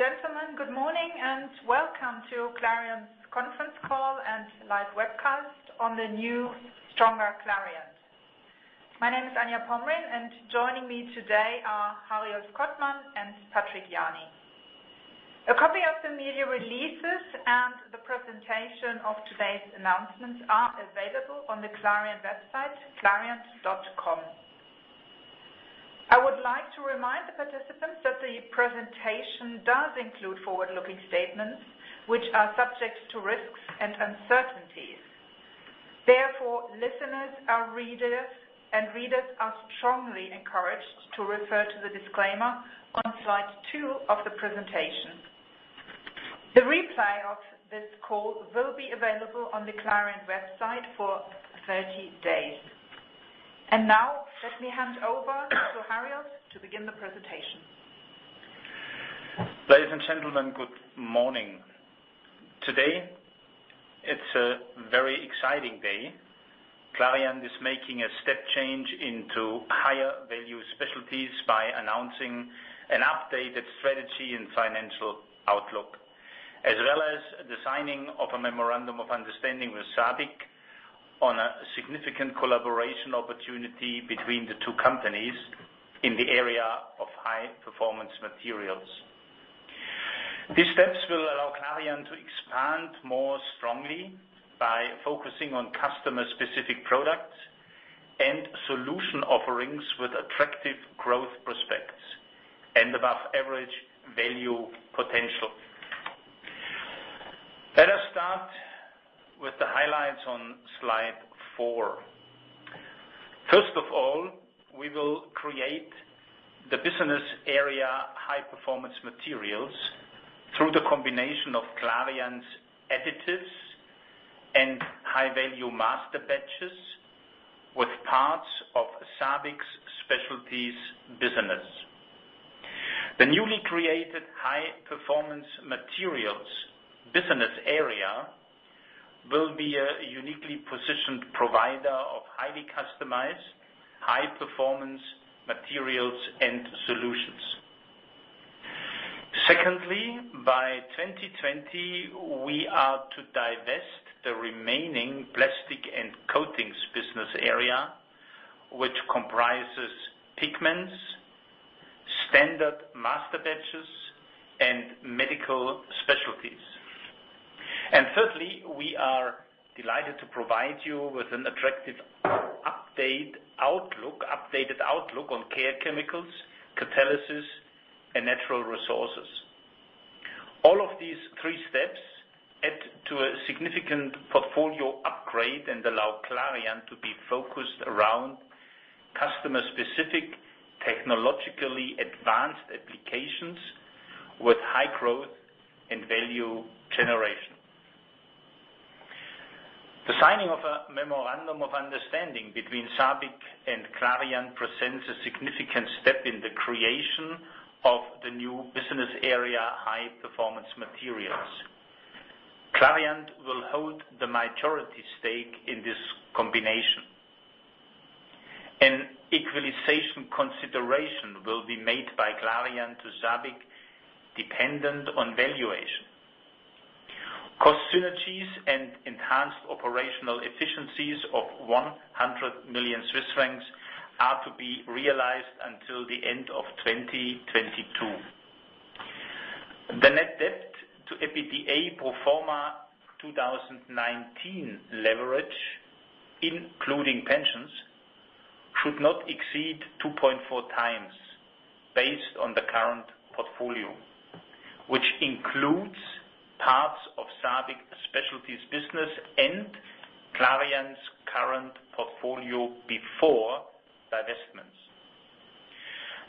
Ladies and gentlemen, good morning. Welcome to Clariant's conference call and live webcast on the new stronger Clariant. My name is Anja Pomrehn, and joining me today are Hariolf Kottmann and Patrick Jany. A copy of the media releases and the presentation of today's announcements are available on the Clariant website, clariant.com. I would like to remind the participants that the presentation does include forward-looking statements, which are subject to risks and uncertainties. Therefore, listeners and readers are strongly encouraged to refer to the disclaimer on slide two of the presentation. The replay of this call will be available on the Clariant website for 30 days. Now let me hand over to Hariolf to begin the presentation. Ladies and gentlemen, good morning. Today is a very exciting day. Clariant is making a step change into higher-value specialties by announcing an updated strategy and financial outlook, as well as the signing of a memorandum of understanding with SABIC on a significant collaboration opportunity between the two companies in the area of High Performance Materials. These steps will allow Clariant to expand more strongly by focusing on customer-specific products and solution offerings with attractive growth prospects and above-average value potential. Let us start with the highlights on slide four. First of all, we will create the business area High Performance Materials through the combination of Clariant's Additives and high-value Masterbatches with parts of SABIC's specialties business. The newly created High Performance Materials business area will be a uniquely positioned provider of highly customized high-performance materials and solutions. Secondly, by 2020, we are to divest the remaining Plastics & Coatings business area, which comprises pigments, standard Masterbatches, and medical specialties. Thirdly, we are delighted to provide you with an attractive updated outlook on Care Chemicals, Catalysis, and Natural Resources. All of these three steps add to a significant portfolio upgrade and allow Clariant to be focused around customer-specific, technologically advanced applications with high growth and value generation. The signing of a memorandum of understanding between SABIC and Clariant presents a significant step in the creation of the new business area, High Performance Materials. Clariant will hold the majority stake in this combination. An equalization consideration will be made by Clariant to SABIC dependent on valuation. Cost synergies and enhanced operational efficiencies of 100 million Swiss francs are to be realized until the end of 2022. The net debt to EBITDA pro forma 2019 leverage, including pensions, should not exceed 2.4 times based on the current portfolio, which includes parts of SABIC's specialties business and Clariant's current portfolio before divestments.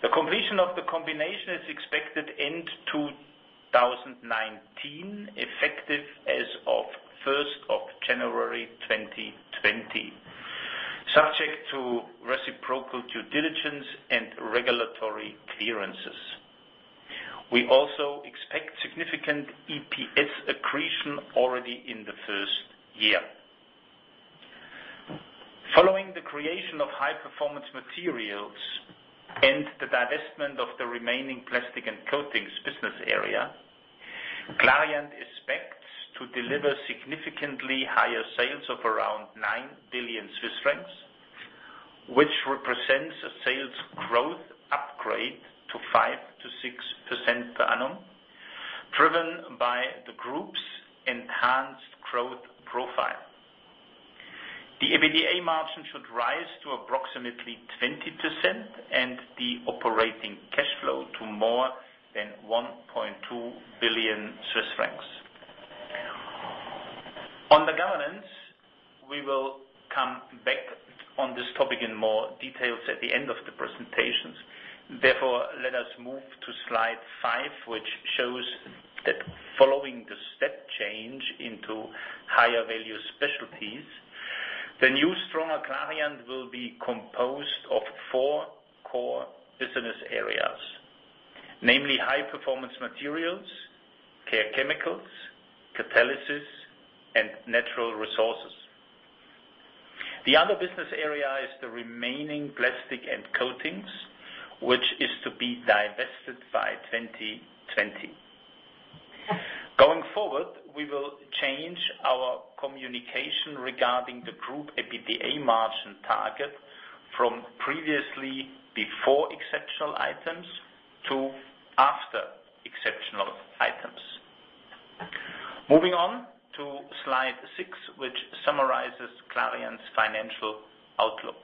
The completion of the combination is expected end 2019, effective as of 1st of January 2020, subject to reciprocal due diligence and regulatory clearances. We also expect significant EPS accretion already in the first year. Following the creation of High Performance Materials and the divestment of the remaining Plastics & Coatings business area, Clariant expects to deliver significantly higher sales of around 9 billion Swiss francs, which represents a sales growth upgrade to 5%-6% per annum, driven by the group's enhanced growth profile. The EBITDA margin should rise to approximately 20% and the operating cash flow to more than 1.2 billion Swiss francs. On the governance, we will come back on this topic in more details at the end of the presentations. Let us move to slide five, which shows that following the step change into higher-value specialties, the new stronger Clariant will be composed of four core business areas, namely High Performance Materials, Care Chemicals, Catalysis, and Natural Resources. The other business area is the remaining Plastics & Coatings, which is to be divested by 2020. Going forward, we will change our communication regarding the group EBITDA margin target from previously before exceptional items to after exceptional items. Moving on to slide six, which summarizes Clariant's financial outlook.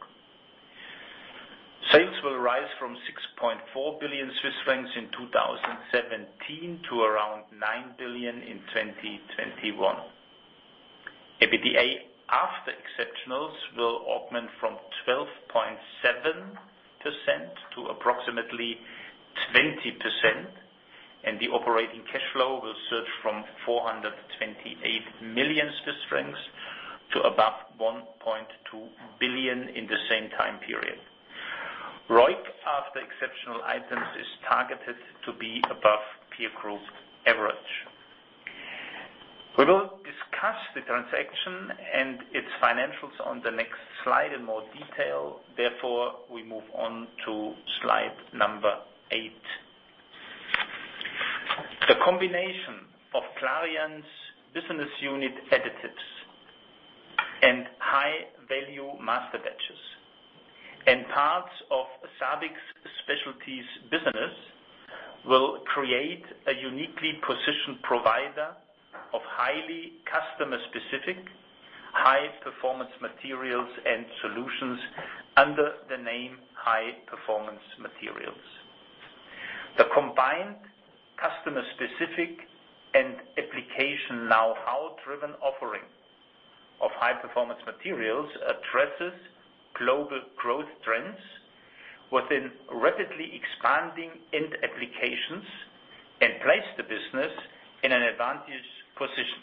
Sales will rise from 6.4 billion Swiss francs in 2017 to around 9 billion in 2021. EBITDA after exceptionals will augment from 12.7%-20%, and the operating cash flow will surge from 428 million Swiss francs to above 1.2 billion in the same time period. ROIC after exceptional items is targeted to be above peer group average. We will discuss the transaction and its financials on the next slide in more detail. We move on to slide number eight. The combination of Clariant's business unit Additives and high-value Masterbatches and parts of SABIC's specialties business will create a uniquely positioned provider of highly customer-specific High Performance Materials and solutions under the name High Performance Materials. The combined customer-specific and application know-how driven offering of High Performance Materials addresses global growth trends within rapidly expanding end applications and place the business in an advantage position.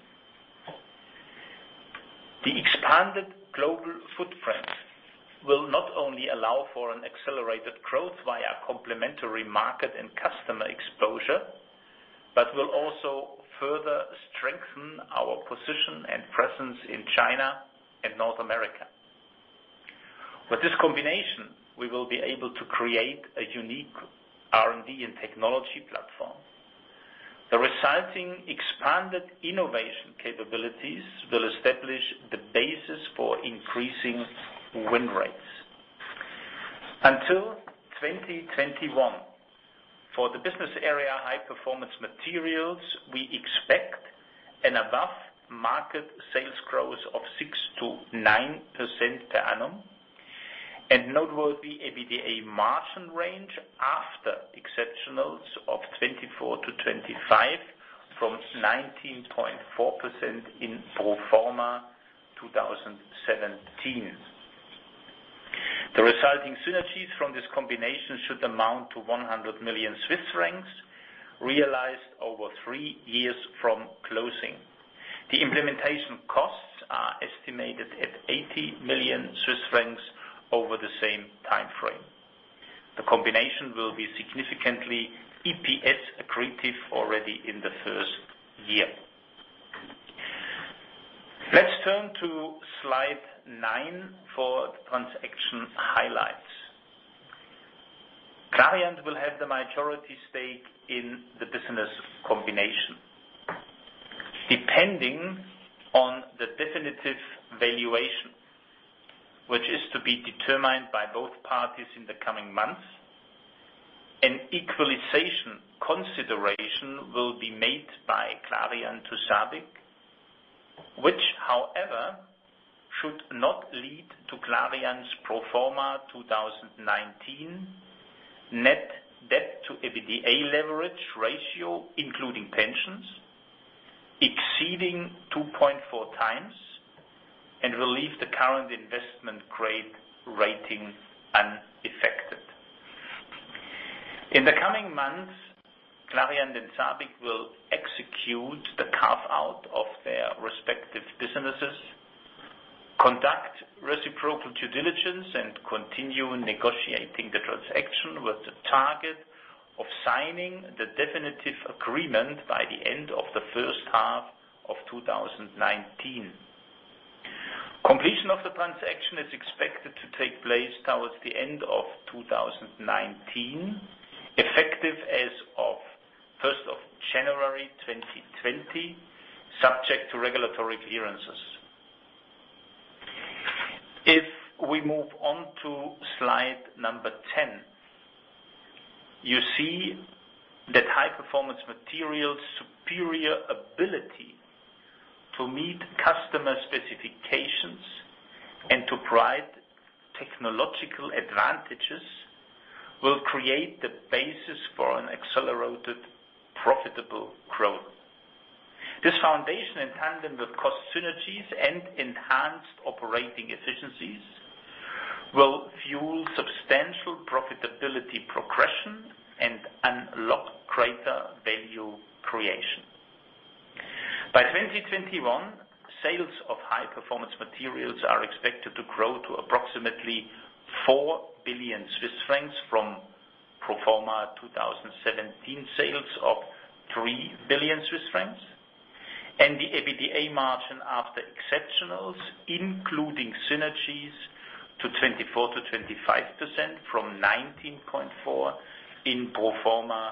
The expanded global footprint will not only allow for an accelerated growth via complementary market and customer exposure, but will also further strengthen our position and presence in China and North America. With this combination, we will be able to create a unique R&D and technology platform. The resulting expanded innovation capabilities will establish the basis for increasing win rates. Until 2021, for the business area High Performance Materials, we expect an above-market sales growth of 6%-9% per annum, and notably EBITDA margin range after exceptionals of 24%-25% from 19.4% in pro forma 2017. The resulting synergies from this combination should amount to 100 million Swiss francs realized over three years from closing. The implementation costs are estimated at 80 million Swiss francs over the same time frame. The combination will be significantly EPS-accretive already in the first year. Let's turn to slide nine for the transaction highlights. Clariant will have the majority stake in the business combination. Depending on the definitive valuation, which is to be determined by both parties in the coming months, an equalization consideration will be made by Clariant to SABIC, which, however, should not lead to Clariant's pro forma 2019 net debt to EBITDA leverage ratio, including pensions, exceeding 2.4x and will leave the current investment grade rating unaffected. In the coming months, Clariant and SABIC will execute the carve-out of their respective businesses, conduct reciprocal due diligence, and continue negotiating the transaction with the target of signing the definitive agreement by the end of the first half of 2019. Completion of the transaction is expected to take place towards the end of 2019, effective as of 1st of January 2020, subject to regulatory clearances. If we move on to slide 10, you see that High Performance Materials' superior ability to meet customer specifications and to provide technological advantages will create the basis for an accelerated profitable growth. This foundation, in tandem with cost synergies and enhanced operating efficiencies, will fuel substantial profitability progression and unlock greater value creation. By 2021, sales of High Performance Materials are expected to grow to approximately 4 billion Swiss francs from pro forma 2017 sales of 3 billion Swiss francs. The EBITDA margin after exceptionals, including synergies to 24%-25% from 19.4% in pro forma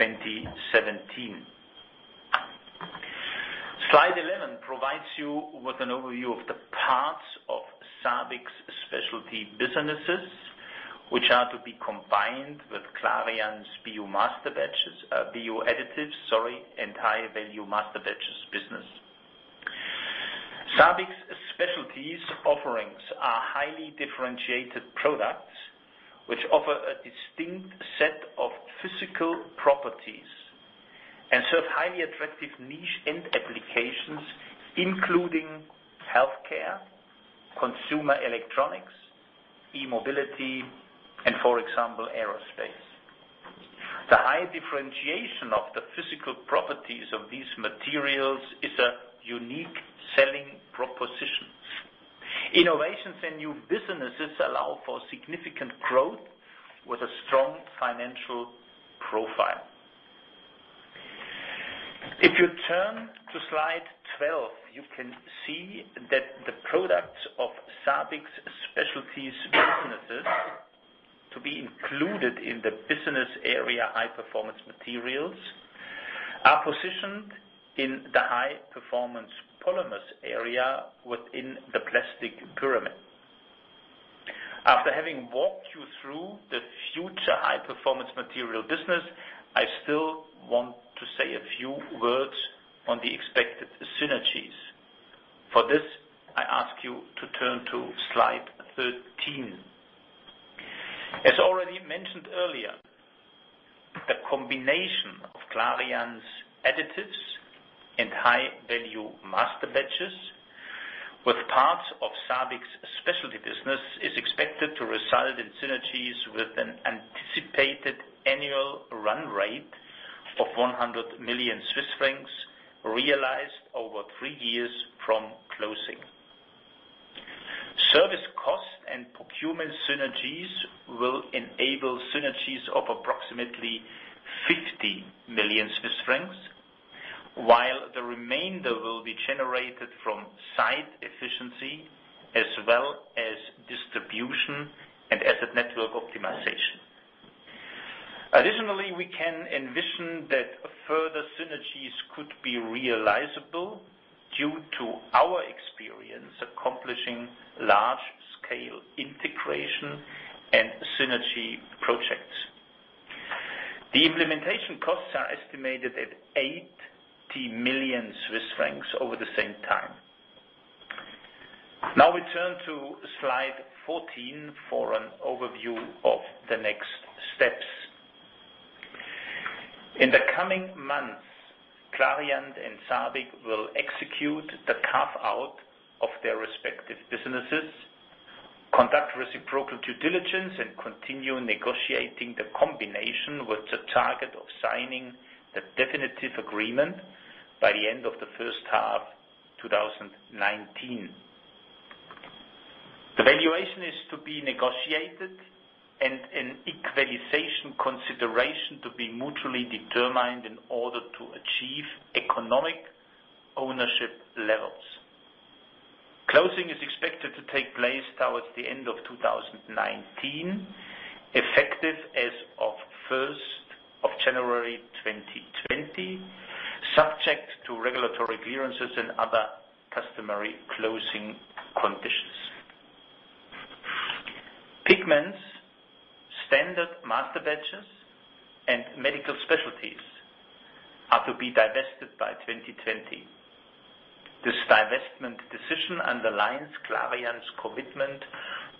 2017. Slide 11 provides you with an overview of the parts of SABIC's specialty businesses, which are to be combined with Clariant's BU Additives, entire value Masterbatches business. SABIC's specialties offerings are highly differentiated products, which offer a distinct set of physical properties and serve highly attractive niche end applications, including healthcare, consumer electronics, e-mobility, and for example, aerospace. The high differentiation of the physical properties of these materials is a unique selling proposition. Innovations in new businesses allow for significant growth with a strong financial profile. If you turn to slide 12, you can see that the products of SABIC's specialties businesses to be included in the business area High Performance Materials, are positioned in the high-performance polymers area within the plastic pyramid. After having walked you through the future High Performance Materials business, I still want to say a few words on the expected synergies. For this, I ask you to turn to slide 13. As already mentioned earlier, the combination of Clariant's Additives and high-value Masterbatches with parts of SABIC's specialty business is expected to result in synergies with an anticipated annual run rate of 100 million Swiss francs realized over three years from closing. Service cost and procurement synergies will enable synergies of approximately 50 million Swiss francs, while the remainder will be generated from site efficiency as well as distribution and asset network optimization. Additionally, we can envision that further synergies could be realizable due to our experience accomplishing large-scale integration and synergy projects. The implementation costs are estimated at 80 million Swiss francs over the same time. We turn to slide 14 for an overview of the next steps. In the coming months, Clariant and SABIC will execute the carve-out of their respective businesses, conduct reciprocal due diligence, and continue negotiating the combination with the target of signing the definitive agreement by the end of the first half 2019. The valuation is to be negotiated and an equalization consideration to be mutually determined in order to achieve economic ownership levels. Closing is expected to take place towards the end of 2019, effective as of 1st of January 2020, subject to regulatory clearances and other customary closing conditions. Pigments, standard Masterbatches, and medical specialties are to be divested by 2020. This divestment decision underlines Clariant's commitment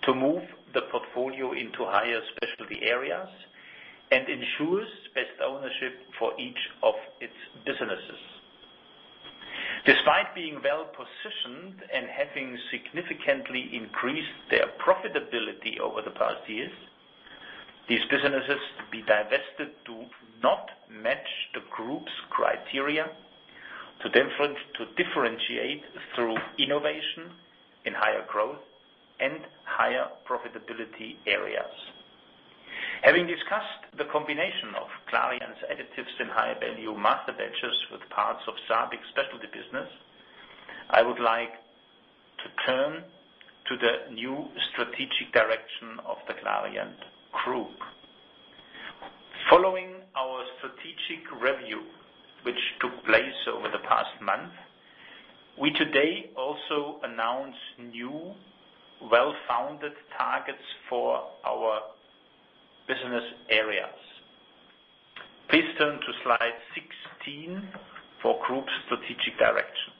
to move the portfolio into higher specialty areas and ensures best ownership for each of its businesses. Despite being well-positioned and having significantly increased their profitability over the past years, these businesses to be divested do not match the Group's criteria to differentiate through innovation in higher growth and higher profitability areas. Having discussed the combination of Clariant's Additives and high-value Masterbatches with parts of SABIC's specialty business, I would like to turn to the new strategic direction of the Clariant Group. Following our strategic review, which took place over the past month, we today also announced new, well-founded targets for our business areas. Please turn to slide 16 for Group strategic direction.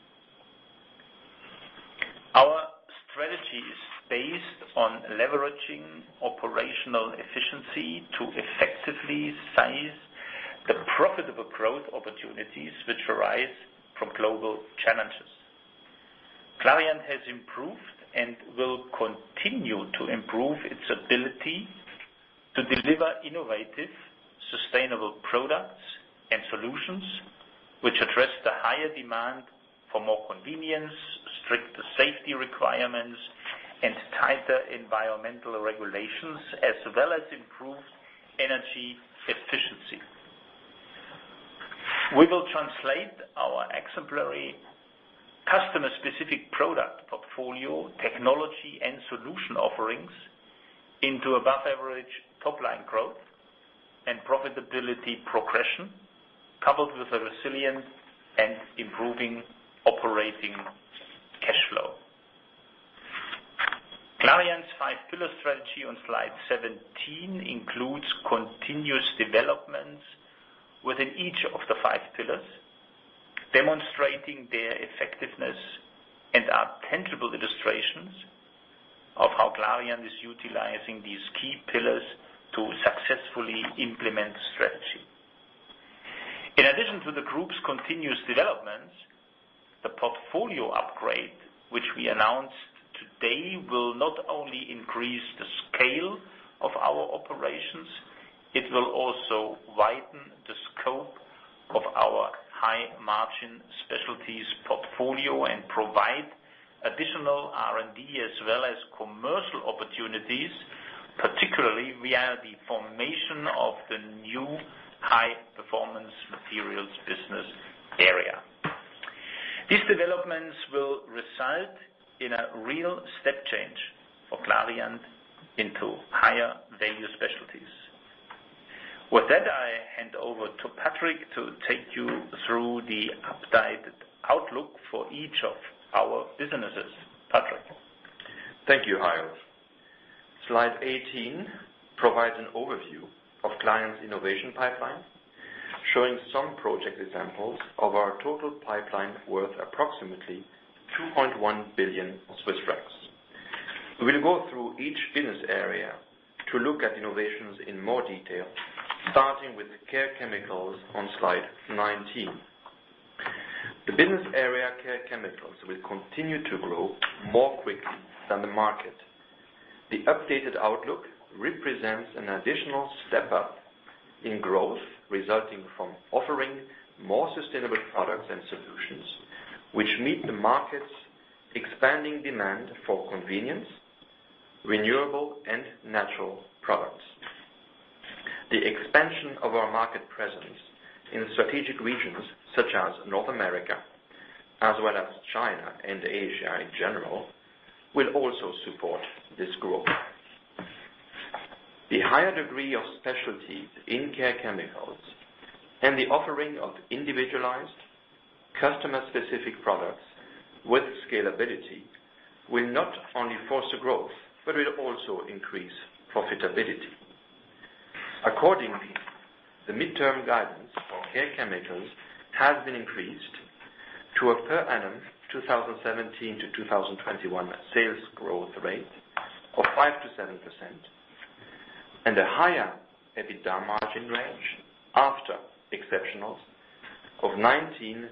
Our strategy is based on leveraging operational efficiency to effectively size the profitable growth opportunities which arise from global challenges. Clariant has improved and will continue to improve its ability to deliver innovative, sustainable products and solutions which address the higher demand for more convenience, stricter safety requirements. Tighter environmental regulations, as well as improved energy efficiency. We will translate our exemplary customer-specific product portfolio, technology, and solution offerings into above-average top-line growth and profitability progression, coupled with a resilient and improving operating cash flow. Clariant's five-pillar strategy on slide 17 includes continuous developments within each of the five pillars, demonstrating their effectiveness and are tangible illustrations of how Clariant is utilizing these key pillars to successfully implement the strategy. In addition to the Group's continuous developments, the portfolio upgrade, which we announced today, will not only increase the scale of our operations, it will also widen the scope of our high-margin specialties portfolio and provide additional R&D as well as commercial opportunities, particularly via the formation of the new High Performance Materials business area. These developments will result in a real step change for Clariant into higher value specialties. With that, I hand over to Patrick to take you through the updated outlook for each of our businesses. Patrick? Thank you, Hariolf. Slide 18 provides an overview of Clariant's innovation pipeline, showing some project examples of our total pipeline worth approximately 2.1 billion Swiss francs. We will go through each business area to look at innovations in more detail, starting with the Care Chemicals on slide 19. The business area Care Chemicals will continue to grow more quickly than the market. The updated outlook represents an additional step up in growth, resulting from offering more sustainable products and solutions, which meet the market's expanding demand for convenience, renewable, and natural products. The expansion of our market presence in strategic regions such as North America, as well as China and Asia in general, will also support this growth. The higher degree of specialties in Care Chemicals and the offering of individualized customer-specific products with scalability will not only foster growth but will also increase profitability. Accordingly, the midterm guidance for Care Chemicals has been increased to a per annum 2017-2021 sales growth rate of 5%-7%, and a higher EBITDA margin range after exceptionals of 19%-21%.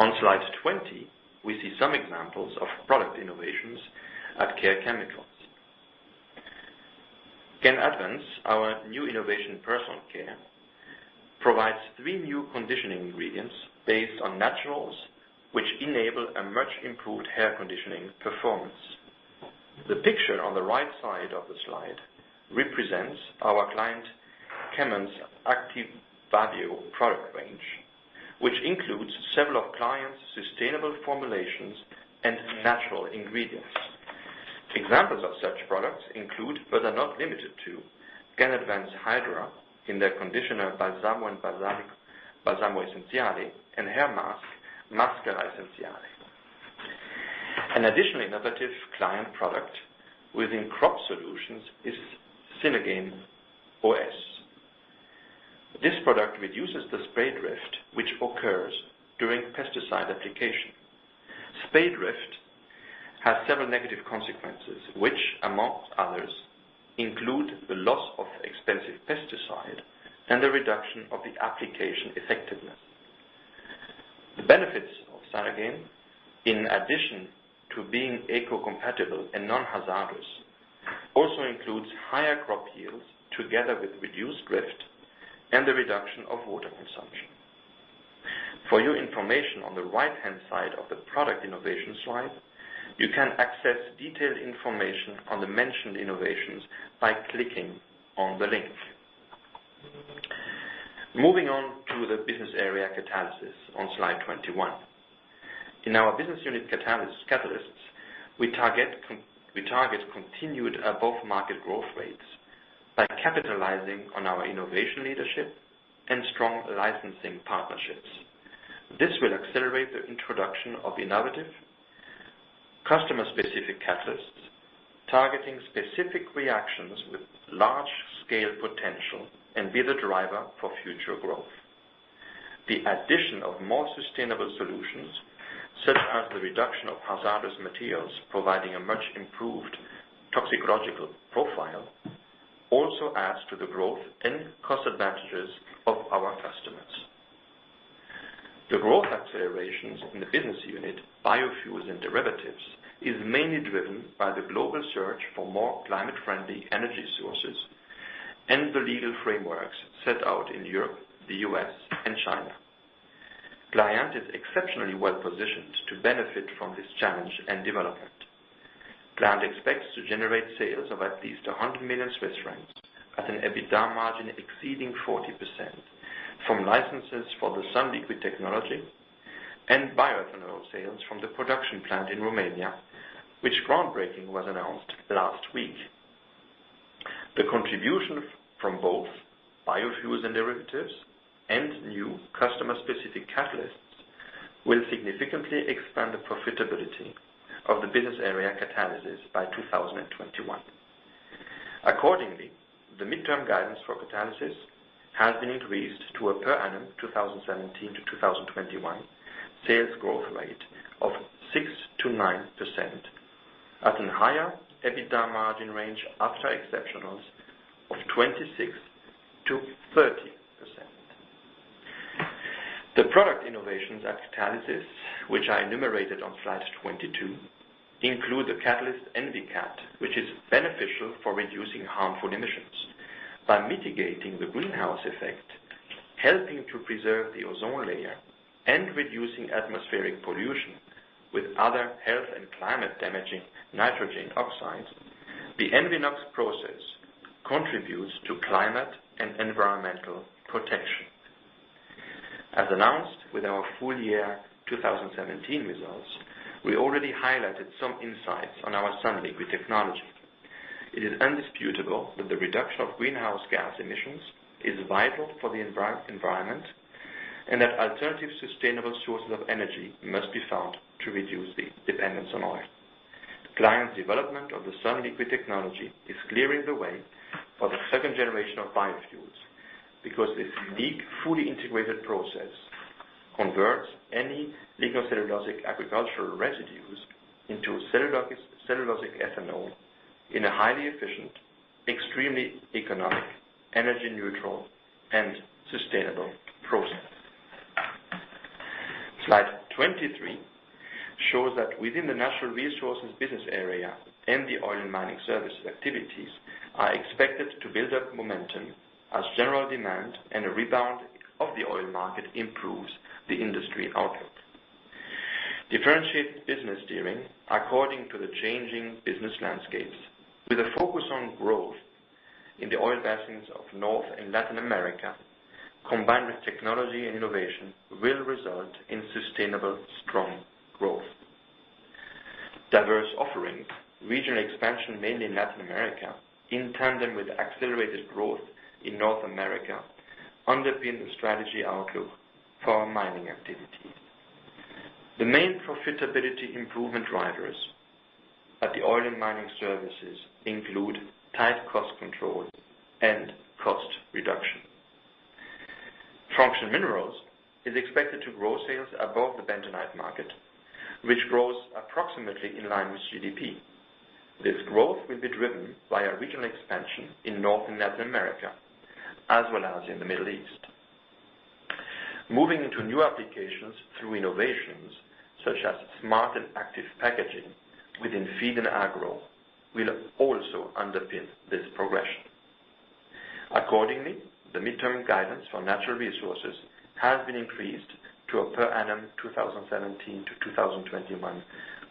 On slide 20, we see some examples of product innovations at Care Chemicals. Genadvance, our new innovation personal care, provides three new conditioning ingredients based on naturals, which enable a much improved hair conditioning performance. The picture on the right side of the slide represents our client, Kemon's, Actyva product range, which includes several of Clariant's sustainable formulations and natural ingredients. Examples of such products include, but are not limited to, Genadvance Hydra in their conditioner, Balsamo Essenziale, and hair mask, Maschera Essenziale. An additional innovative Clariant product within Crop Solutions is Synergen OS. This product reduces the spray drift which occurs during pesticide application. Spray drift has several negative consequences, which amongst others, include the loss of expensive pesticide and the reduction of the application effectiveness. The benefits of Synergen, in addition to being eco-compatible and non-hazardous, also includes higher crop yields together with reduced drift and the reduction of water consumption. For your information, on the right-hand side of the product innovation slide, you can access detailed information on the mentioned innovations by clicking on the link. Moving on to the business area Catalysis on slide 21. In our business unit Catalysts, we target continued above-market growth rates by capitalizing on our innovation leadership and strong licensing partnerships. This will accelerate the introduction of innovative customer-specific catalysts targeting specific reactions with large-scale potential and be the driver for future growth. The addition of more sustainable solutions, such as the reduction of hazardous materials, providing a much improved toxicological profile, also adds to the growth and cost advantages of our customers. The growth accelerations in the business unit Biofuels & Derivatives is mainly driven by the global search for more climate-friendly energy sources and the legal frameworks set out in Europe, the U.S., and China. Clariant is exceptionally well-positioned to benefit from this challenge and development. Clariant expects to generate sales of at least 100 million Swiss francs at an EBITDA margin exceeding 40%. From licenses for the Sunliquid technology and bioethanol sales from the production plant in Romania, which groundbreaking was announced last week. The contribution from both Biofuels & Derivatives and new customer-specific catalysts will significantly expand the profitability of the business area Catalysis by 2021. Accordingly, the midterm guidance for Catalysis has been increased to a per annum 2017-2021 sales growth rate of 6%-9% at a higher EBITDA margin range after exceptionals of 26%-30%. The product innovations at Catalysis, which I enumerated on slide 22, include the catalyst EnviCat, which is beneficial for reducing harmful emissions by mitigating the greenhouse effect, helping to preserve the ozone layer, and reducing atmospheric pollution with other health and climate-damaging nitrogen oxides. The EnviNOx process contributes to climate and environmental protection. As announced with our full year 2017 results, we already highlighted some insights on our Sunliquid technology. It is indisputable that the reduction of greenhouse gas emissions is vital for the environment, that alternative sustainable sources of energy must be found to reduce the dependence on oil. Clariant development of the Sunliquid technology is clearing the way for the second generation of biofuels because this unique fully integrated process converts any lignocellulosic agricultural residues into cellulosic ethanol in a highly efficient, extremely economic, energy-neutral and sustainable process. Slide 23 shows that within the Natural Resources business area, the oil mining services activities are expected to build up momentum as general demand and a rebound of the oil market improves the industry output. Differentiated business steering according to the changing business landscapes with a focus on growth in the oil basins of North and Latin America, combined with technology and innovation, will result in sustainable strong growth. Diverse offerings, regional expansion, mainly in Latin America, in tandem with accelerated growth in North America, underpin the strategy outlook for our mining activities. The main profitability improvement drivers at the oil and mining services include tight cost control and cost reduction. Functional Minerals is expected to grow sales above the bentonite market, which grows approximately in line with GDP. This growth will be driven by regional expansion in North and Latin America, as well as in the Middle East. Moving into new applications through innovations such as smart and active packaging within feed and agro will also underpin this progression. Accordingly, the midterm guidance for Natural Resources has been increased to a per annum 2017 to 2021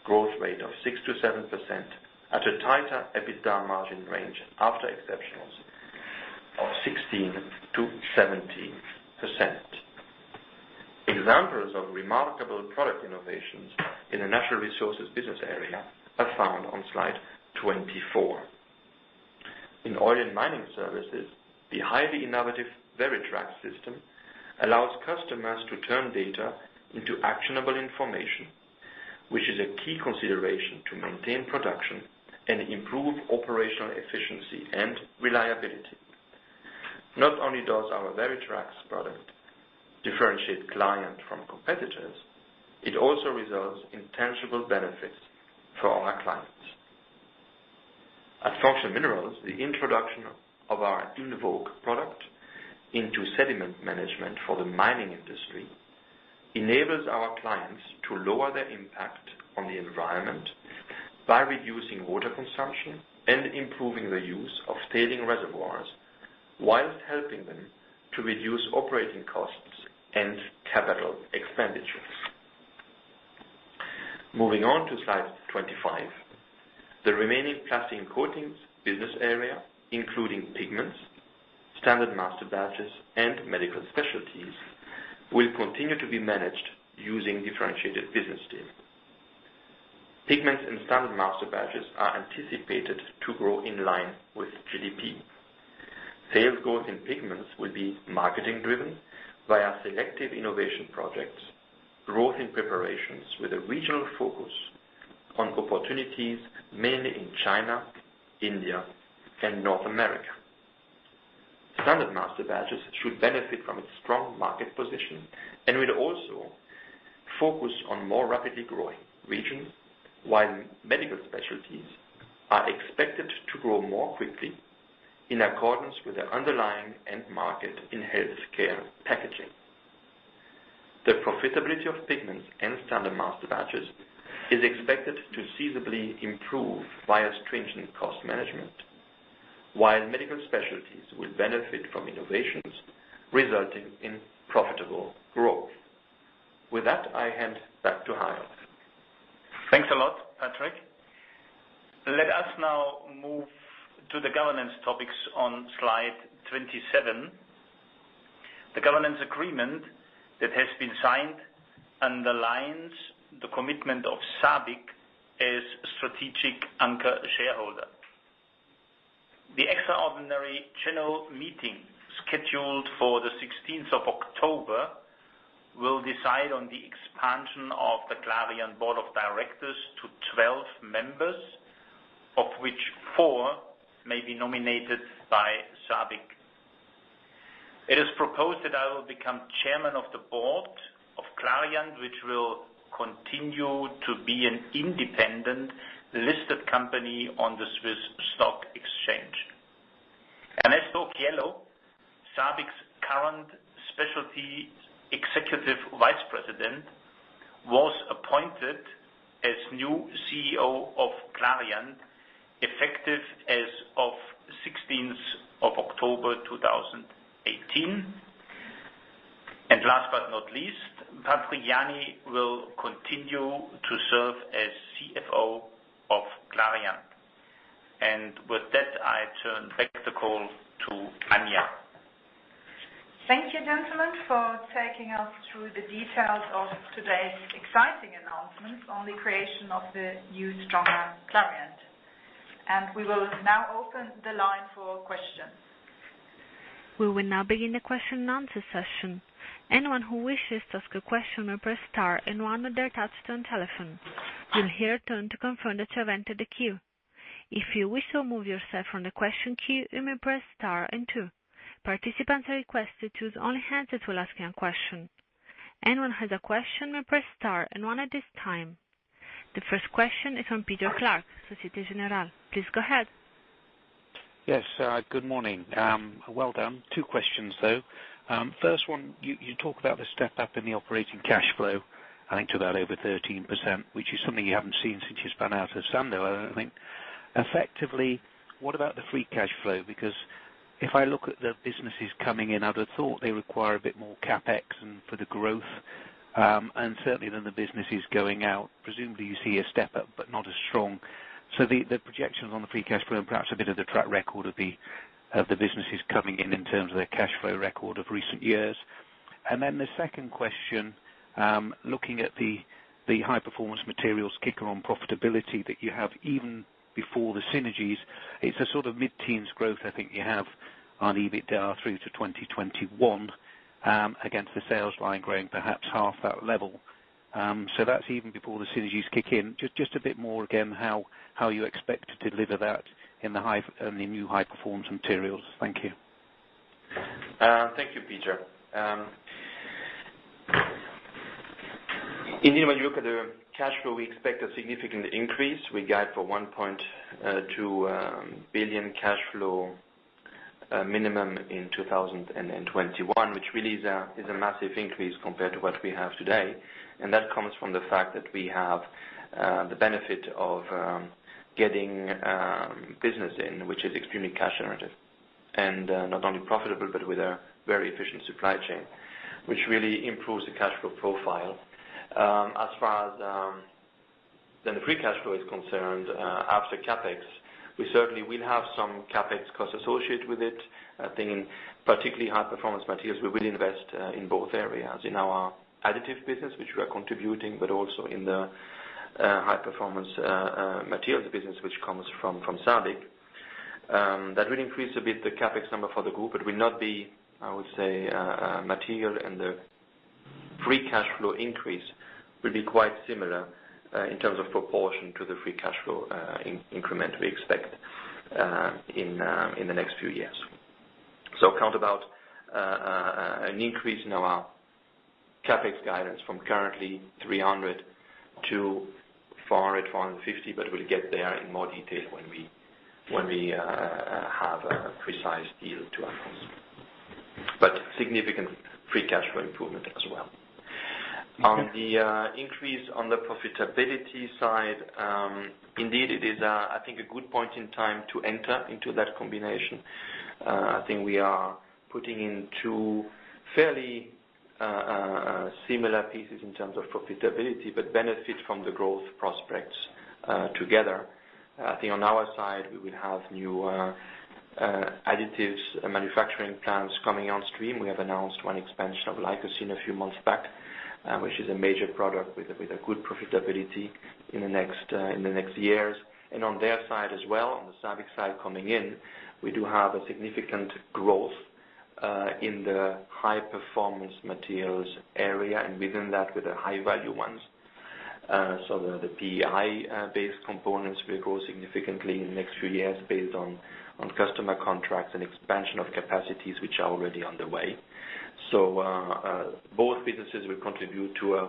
growth rate of 6%-7% at a tighter EBITDA margin range after exceptionals of 16%-17%. Examples of remarkable product innovations in the Natural Resources business area are found on slide 24. In oil and mining services, the highly innovative VeriTrax system allows customers to turn data into actionable information, which is a key consideration to maintain production and improve operational efficiency and reliability. Not only does our VeriTrax product differentiate Clariant from competitors, it also results in tangible benefits for our clients. At Functional Minerals, the introduction of our INVOQUE product into sediment management for the mining industry enables our clients to lower their impact on the environment by reducing water consumption and improving the use of tailing reservoirs, whilst helping them to reduce operating costs and CapEx. Moving on to slide 25. The remaining Plastics & Coatings business area, including pigments, standard Masterbatches, and medical specialties, will continue to be managed using differentiated business steering. Pigments and standard Masterbatches are anticipated to grow in line with GDP. Sales growth in pigments will be marketing driven via selective innovation projects, growth in preparations with a regional focus on opportunities mainly in China, India, and North America. Standard Masterbatches should benefit from its strong market position and will also focus on more rapidly growing regions, while medical specialties are expected to grow more quickly in accordance with the underlying end market in healthcare packaging. The profitability of pigments and standard Masterbatches is expected to feasibly improve via stringent cost management, while medical specialties will benefit from innovations resulting in profitable growth. With that, I hand back to Hariolf. Thanks a lot, Patrick. Let us now move to the governance topics on slide 27. The governance agreement that has been signed underlines the commitment of SABIC as strategic anchor shareholder. The extraordinary general meeting scheduled for the 16th of October will decide on the expansion of the Clariant Board of Directors to 12 members, of which four may be nominated by SABIC. It is proposed that I will become Chairman of the Board of Clariant, which will continue to be an independent listed company on the SIX Swiss Exchange. Ernesto Occhiello, SABIC's current Specialties Executive Vice President, was appointed as new CEO of Clariant effective as of 16th of October, 2018. Last but not least, Patrick Jany will continue to serve as CFO of Clariant. With that, I turn back the call to Anja. Thank you, gentlemen, for taking us through the details of today's exciting announcements on the creation of the new, stronger Clariant. We will now open the line for questions. We will now begin the question and answer session. Anyone who wishes to ask a question may press star and one on their touch-tone telephone. You'll hear a tone to confirm that you have entered the queue. If you wish to remove yourself from the question queue, you may press star and two. Participants are requested to use only hands to asking a question. Anyone who has a question may press star and one at this time. The first question is from Peter Clark, Société Générale. Please go ahead. Yes. Good morning. Well done. Two questions, though. First one, you talk about the step-up in the operating cash flow, I think to about over 13%, which is something you haven't seen since you spun out of Sandoz, I think. Effectively, what about the free cash flow? If I look at the businesses coming in, I'd have thought they require a bit more CapEx and for the growth, and certainly than the businesses going out. Presumably, you see a step-up, but not as strong. The projections on the free cash flow and perhaps a bit of the track record of the businesses coming in in terms of their cash flow record of recent years. Then the second question, looking at the High Performance Materials kicker on profitability that you have even before the synergies. It's a sort of mid-teens growth I think you have on EBITDA through to 2021, against the sales line growing perhaps half that level. That's even before the synergies kick in. Just a bit more again, how you expect to deliver that in the new High Performance Materials. Thank you. Thank you, Peter. Indeed, when you look at the cash flow, we expect a significant increase. We guide for 1.2 billion cash flow minimum in 2021, which really is a massive increase compared to what we have today. That comes from the fact that we have the benefit of getting business in, which is extremely cash generative, not only profitable, but with a very efficient supply chain, which really improves the cash flow profile. As far as the free cash flow is concerned, after CapEx, we certainly will have some CapEx costs associated with it. I think in particularly High Performance Materials, we will invest in both areas. In our Additives business, which we are contributing, but also in the High Performance Materials business which comes from SABIC. That will increase a bit the CapEx number for the group. It will not be, I would say, material. The free cash flow increase will be quite similar, in terms of proportion to the free cash flow increment we expect in the next few years. Count about an increase in our CapEx guidance from currently 300 to 400, 450, we'll get there in more detail when we have a precise deal to announce. Significant free cash flow improvement as well. On the increase on the profitability side, indeed, it is I think a good point in time to enter into that combination. I think we are putting in two fairly similar pieces in terms of profitability, but benefit from the growth prospects together. I think on our side, we will have new Additives manufacturing plants coming on stream. We have announced one expansion of Licocene a few months back, which is a major product with a good profitability in the next years. On their side as well, on the SABIC side coming in, we do have a significant growth in the High Performance Materials area, and within that, with the high-value ones. The PEI-based components will grow significantly in the next few years based on customer contracts and expansion of capacities, which are already underway. Both businesses will contribute to,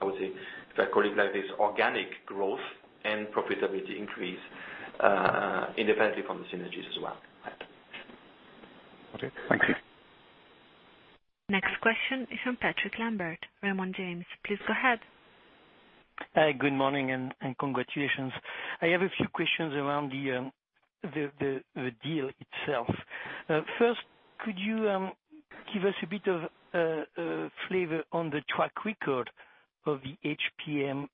I would say, if I call it like this, organic growth and profitability increase independently from the synergies as well. Okay. Thanks. Next question is from Patrick Lambert, Raymond James. Please go ahead. Hi, good morning, and congratulations. I have a few questions around the deal itself. First, could you give us a bit of flavor on the track record of the HPM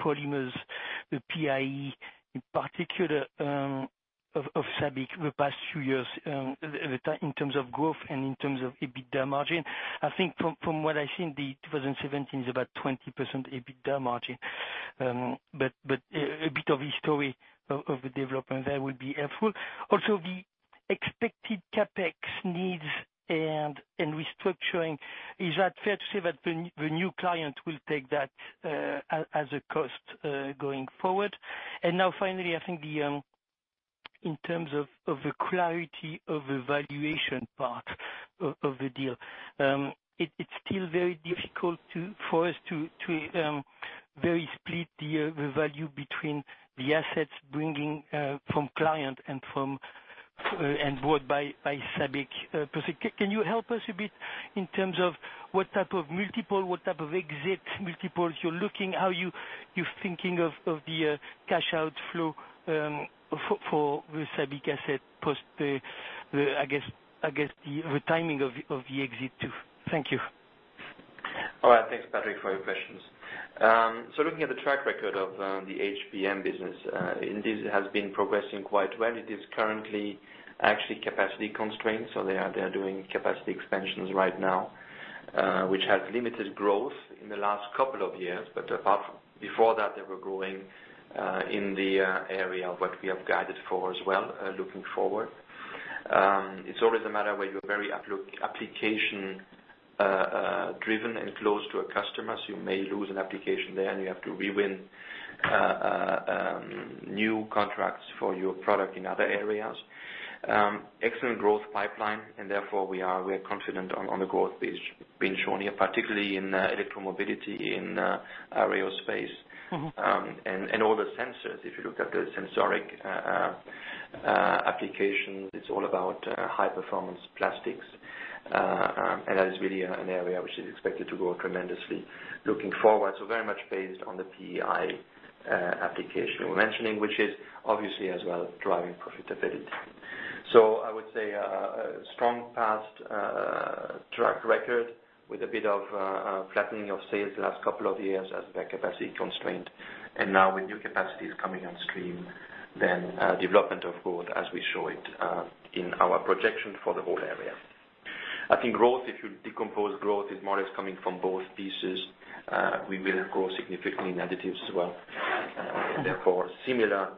polymers, the PEI in particular, of SABIC the past few years in terms of growth and in terms of EBITDA margin? I think from what I've seen, the 2017 is about 20% EBITDA margin. A bit of history of the development there would be helpful. Also, the expected CapEx needs and restructuring, is that fair to say that the new Clariant will take that as a cost going forward? Finally, I think in terms of the clarity of the valuation part of the deal. It's still very difficult for us to very split the value between the assets bringing from Clariant and bought by SABIC. Can you help us a bit in terms of what type of multiple, what type of exit multiples you're looking, how you're thinking of the cash outflow for the SABIC asset post the, I guess, the timing of the exit too? Thank you. All right. Thanks, Patrick, for your questions. Looking at the track record of the HPM business, indeed, it has been progressing quite well. It is currently actually capacity constrained. They are doing capacity expansions right now, which has limited growth in the last couple of years. Before that, they were growing, in the area of what we have guided for as well, looking forward. It's always a matter where you're very application driven and close to a customer, so you may lose an application there, and you have to re-win new contracts for your product in other areas. Excellent growth pipeline, and therefore we are confident on the growth being shown here, particularly in electromobility, in aerospace. All the sensors, if you look at the sensoric applications, it's all about high-performance plastics. That is really an area which is expected to grow tremendously looking forward. Very much based on the PEI application we're mentioning, which is obviously as well driving profitability. I would say a strong past track record with a bit of flattening of sales the last couple of years as the capacity constraint. Now with new capacities coming on stream, development of growth as we show it in our projection for the whole area. I think growth, if you decompose growth, is more or less coming from both pieces. We will grow significantly in Additives as well. Therefore similar,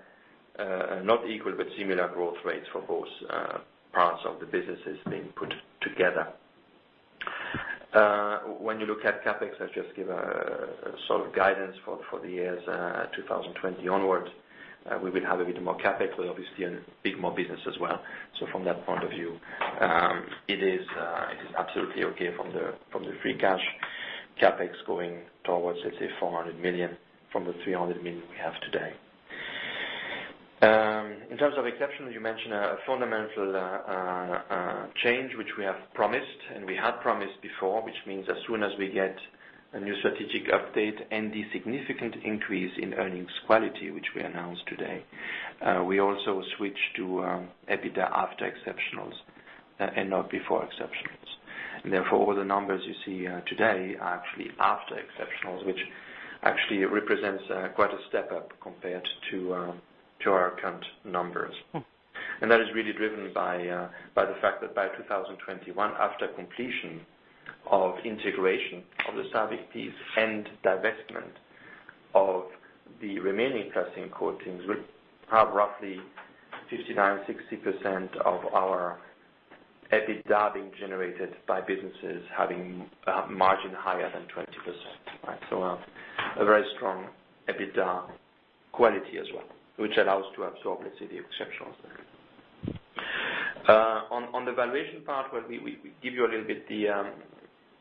not equal, but similar growth rates for both parts of the businesses being put together. When you look at CapEx, I'll just give a sort of guidance for the years 2020 onwards. We will have a bit more CapEx. We're obviously in a bit more business as well. From that point of view, it is absolutely okay from the free cash CapEx going towards, let's say 400 million from the 300 million we have today. In terms of exceptional, you mentioned a fundamental change, which we have promised and we had promised before, which means as soon as we get a new strategic update and the significant increase in earnings quality, which we announced today, we also switch to EBITDA after exceptionals and not before exceptionals. Therefore, the numbers you see today are actually after exceptionals, which actually represents quite a step up compared to our account numbers. That is really driven by the fact that by 2021, after completion of integration of the SABIC piece and divestment of the remaining Plastics & Coatings, we have roughly 59%-60% of our EBITDA being generated by businesses having margin higher than 20%. A very strong EBITDA quality as well, which allows to absorb, let's say, the exceptionals there. On the valuation part where we give you a little bit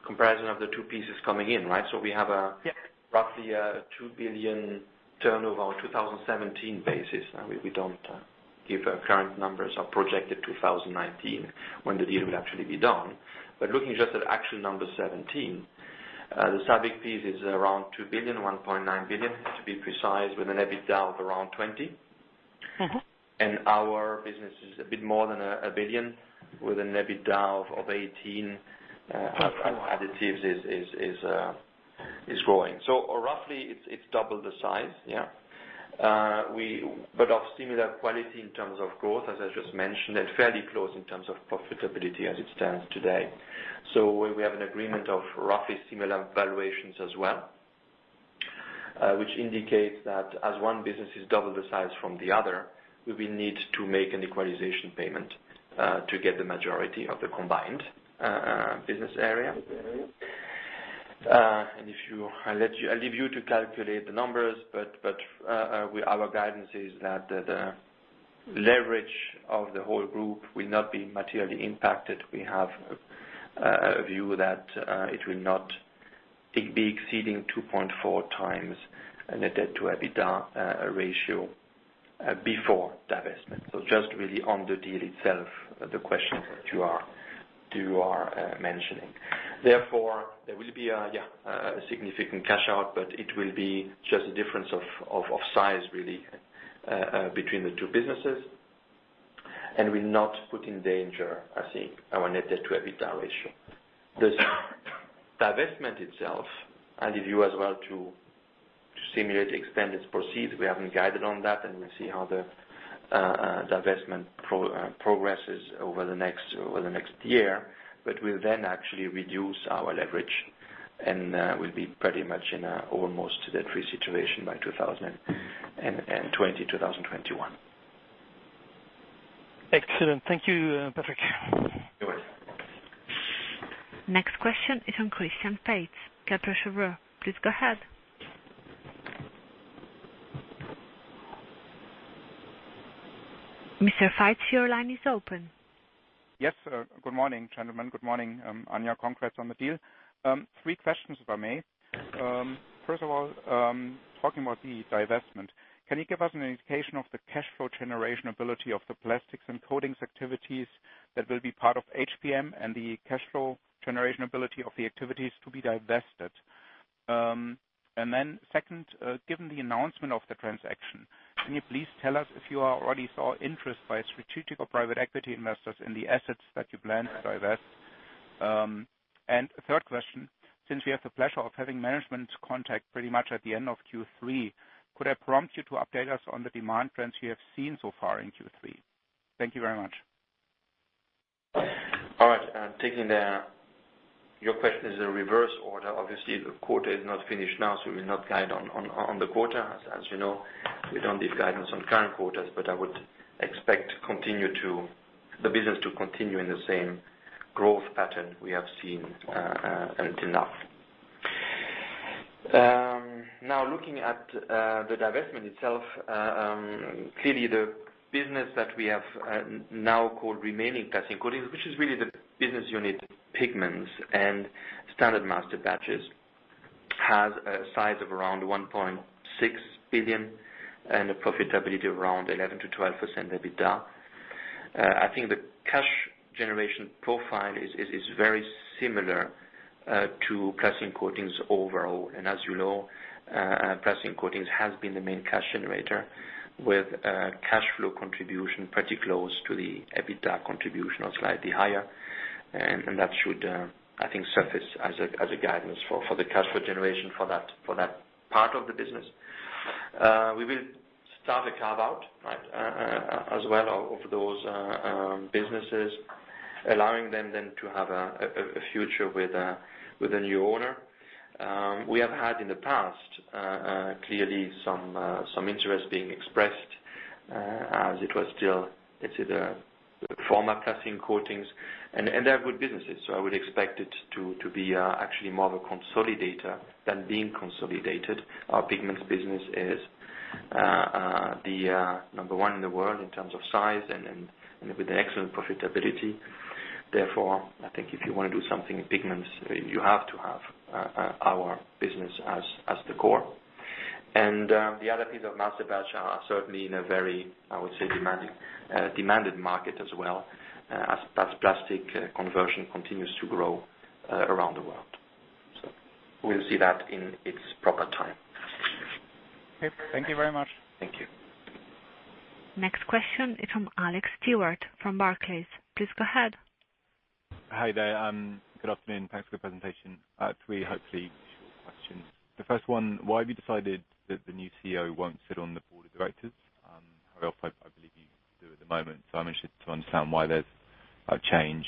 the comparison of the two pieces coming in, right? We have roughly a 2 billion turnover on 2017 basis. We don't give our current numbers, our projected 2019 when the deal will actually be done. But looking just at actual 2017, the SABIC piece is around 2 billion, 1.9 billion to be precise, with an EBITDA of around 20%. Our business is a bit more than 1 billion with an EBITDA of 18%. Perfect. Additives is growing. Roughly it's double the size. Yeah. Of similar quality in terms of growth, as I just mentioned, and fairly close in terms of profitability as it stands today. We have an agreement of roughly similar valuations as well, which indicates that as one business is double the size from the other, we will need to make an equalization payment to get the majority of the combined business area. I'll leave you to calculate the numbers, our guidance is that the leverage of the whole group will not be materially impacted. We have a view that it will not be exceeding 2.4x net debt to EBITDA ratio before divestment. Just really on the deal itself, the question that you are mentioning. Therefore, there will be a significant cash out, but it will be just a difference of size, really, between the two businesses. Will not put in danger, I think, our net debt to EBITDA ratio. The divestment itself, and if you as well to simulate the extent it proceeds, we haven't guided on that, and we'll see how the divestment progresses over the next year. We'll then actually reduce our leverage, and we'll be pretty much in an almost debt-free situation by 2020, 2021. Excellent. Thank you, Patrick. You're welcome. Next question is from Christian Faitz, Kepler Cheuvreux. Please go ahead. Mr. Faitz, your line is open. Yes. Good morning, gentlemen. Good morning, Anja. Congrats on the deal. Three questions, if I may. First of all, talking about the divestment, can you give us an indication of the cash flow generation ability of the Plastics & Coatings activities that will be part of HPM, and the cash flow generation ability of the activities to be divested? Second, given the announcement of the transaction, can you please tell us if you already saw interest by strategic or private equity investors in the assets that you plan to divest? A third question, since we have the pleasure of having management contact pretty much at the end of Q3, could I prompt you to update us on the demand trends you have seen so far in Q3? Thank you very much. All right. Taking your question in the reverse order, obviously the quarter is not finished now, we will not guide on the quarter. As you know, we don't give guidance on current quarters. I would expect the business to continue in the same growth pattern we have seen until now. Now looking at the divestment itself, clearly the business that we have now called Remaining Plastics & Coatings, which is really the business unit pigments and standard Masterbatches, has a size of around 1.6 billion and a profitability of around 11%-12% EBITDA. I think the cash generation profile is very similar to Plastics & Coatings overall. As you know, Plastics & Coatings has been the main cash generator, with cash flow contribution pretty close to the EBITDA contribution or slightly higher. That should, I think, surface as a guidance for the cash flow generation for that part of the business. We will start a carve-out as well of those businesses, allowing them then to have a future with a new owner. We have had in the past, clearly some interest being expressed, as it was still, let's say, the former Plastics & Coatings, and they are good businesses. I would expect it to be actually more of a consolidator than being consolidated. Our pigments business is the number one in the world in terms of size and with excellent profitability. Therefore, I think if you want to do something in pigments, you have to have our business as the core. The other piece of masterbatch are certainly in a very, I would say, demanded market as well as plastic conversion continues to grow around the world. We'll see that in its proper time. Okay. Thank you very much. Thank you. Next question is from Alex Stewart from Barclays. Please go ahead. Hi there. Good afternoon. Thanks for the presentation. Three hopefully short questions. The first one, why have you decided that the new CEO won't sit on the board of directors? Hariolf Kottmann, I believe you do at the moment, so I'm interested to understand why there's a change.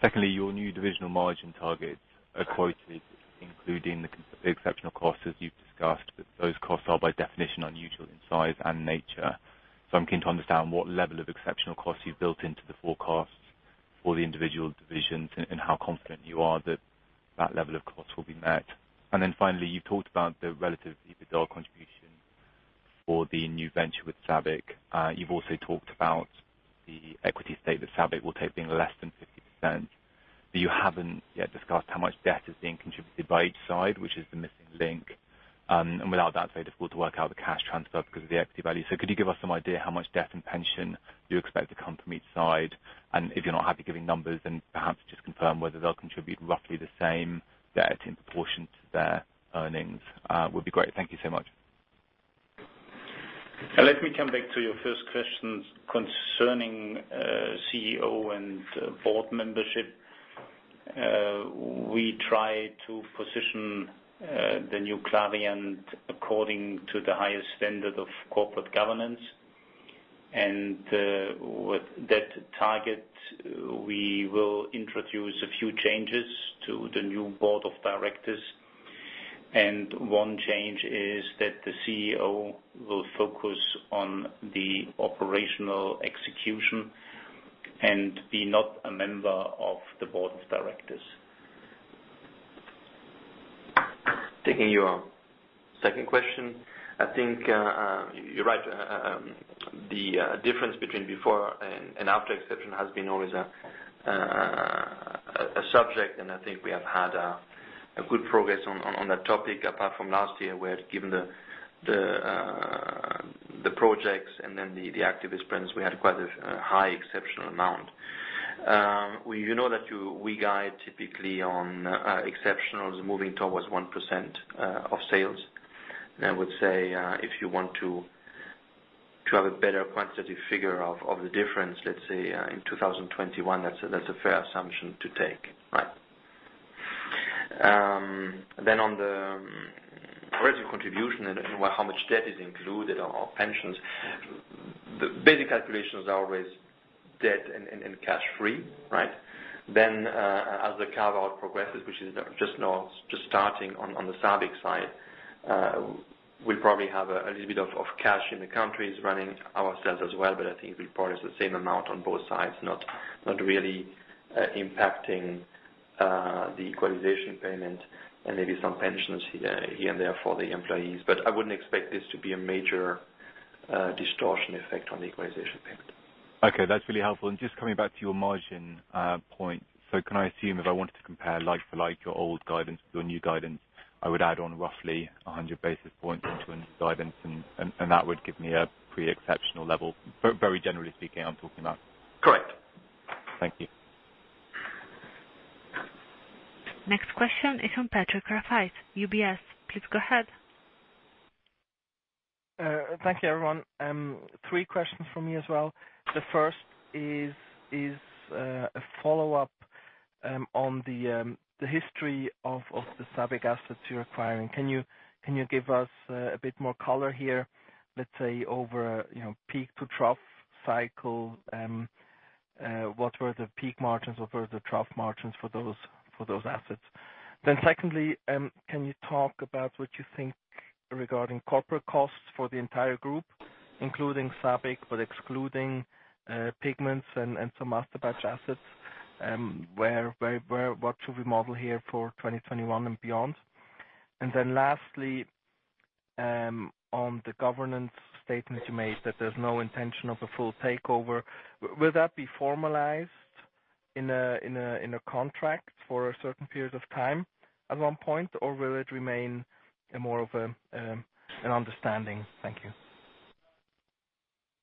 Secondly, your new divisional margin targets are quoted including the exceptional costs, as you've discussed, but those costs are by definition unusual in size and nature. I'm keen to understand what level of exceptional costs you've built into the forecasts for the individual divisions and how confident you are that that level of cost will be met. Finally, you've talked about the relative EBITDA contribution for the new venture with SABIC. You've also talked about the equity stake that SABIC will take being less than 50%, but you haven't yet discussed how much debt is being contributed by each side, which is the missing link. Without that, it's very difficult to work out the cash transfer because of the equity value. Could you give us some idea how much debt and pension you expect to come from each side? If you're not happy giving numbers, then perhaps just confirm whether they'll contribute roughly the same debt in proportion to their earnings would be great. Thank you so much. Let me come back to your first question concerning CEO and board membership. We try to position the new Clariant according to the highest standard of corporate governance. With that target, we will introduce a few changes to the new board of directors. One change is that the CEO will focus on the operational execution and be not a member of the board of directors. Taking your second question, I think you're right. The difference between before and after exception has been always a subject, and I think we have had a good progress on that topic apart from last year, where given the projects and then the activist plans, we had quite a high exceptional amount. You know that we guide typically on exceptionals moving towards 1% of sales. I would say, if you want to have a better quantitative figure of the difference, let's say, in 2021, that's a fair assumption to take. Right. On the original contribution and how much debt is included on our pensions, the basic calculations are always debt and cash free, right? As the carve-out progresses, which is just starting on the SABIC side, we'll probably have a little bit of cash in the countries running ourselves as well. I think it'll probably be the same amount on both sides, not really impacting the equalization payment and maybe some pensions here and there for the employees. I wouldn't expect this to be a major distortion effect on the equalization payment. Okay, that's really helpful. Just coming back to your margin point, can I assume if I wanted to compare like for like your old guidance to your new guidance, I would add on roughly 100 basis points into a new guidance and that would give me a pre-exceptional level? Very generally speaking, I'm talking about. Correct. Thank you. Next question is from Patrick Rafaisz, UBS. Please go ahead. Thank you, everyone. 3 questions from me as well. The first is a follow-up on the history of the SABIC assets you're acquiring. Can you give us a bit more color here, let's say over peak to trough cycle, what were the peak margins, what were the trough margins for those assets? Secondly, can you talk about what you think regarding corporate costs for the entire group, including SABIC, but excluding pigments and some Masterbatches assets, what should we model here for 2021 and beyond? Lastly, on the governance statement you made that there's no intention of a full takeover. Will that be formalized in a contract for a certain period of time at one point, or will it remain more of an understanding? Thank you.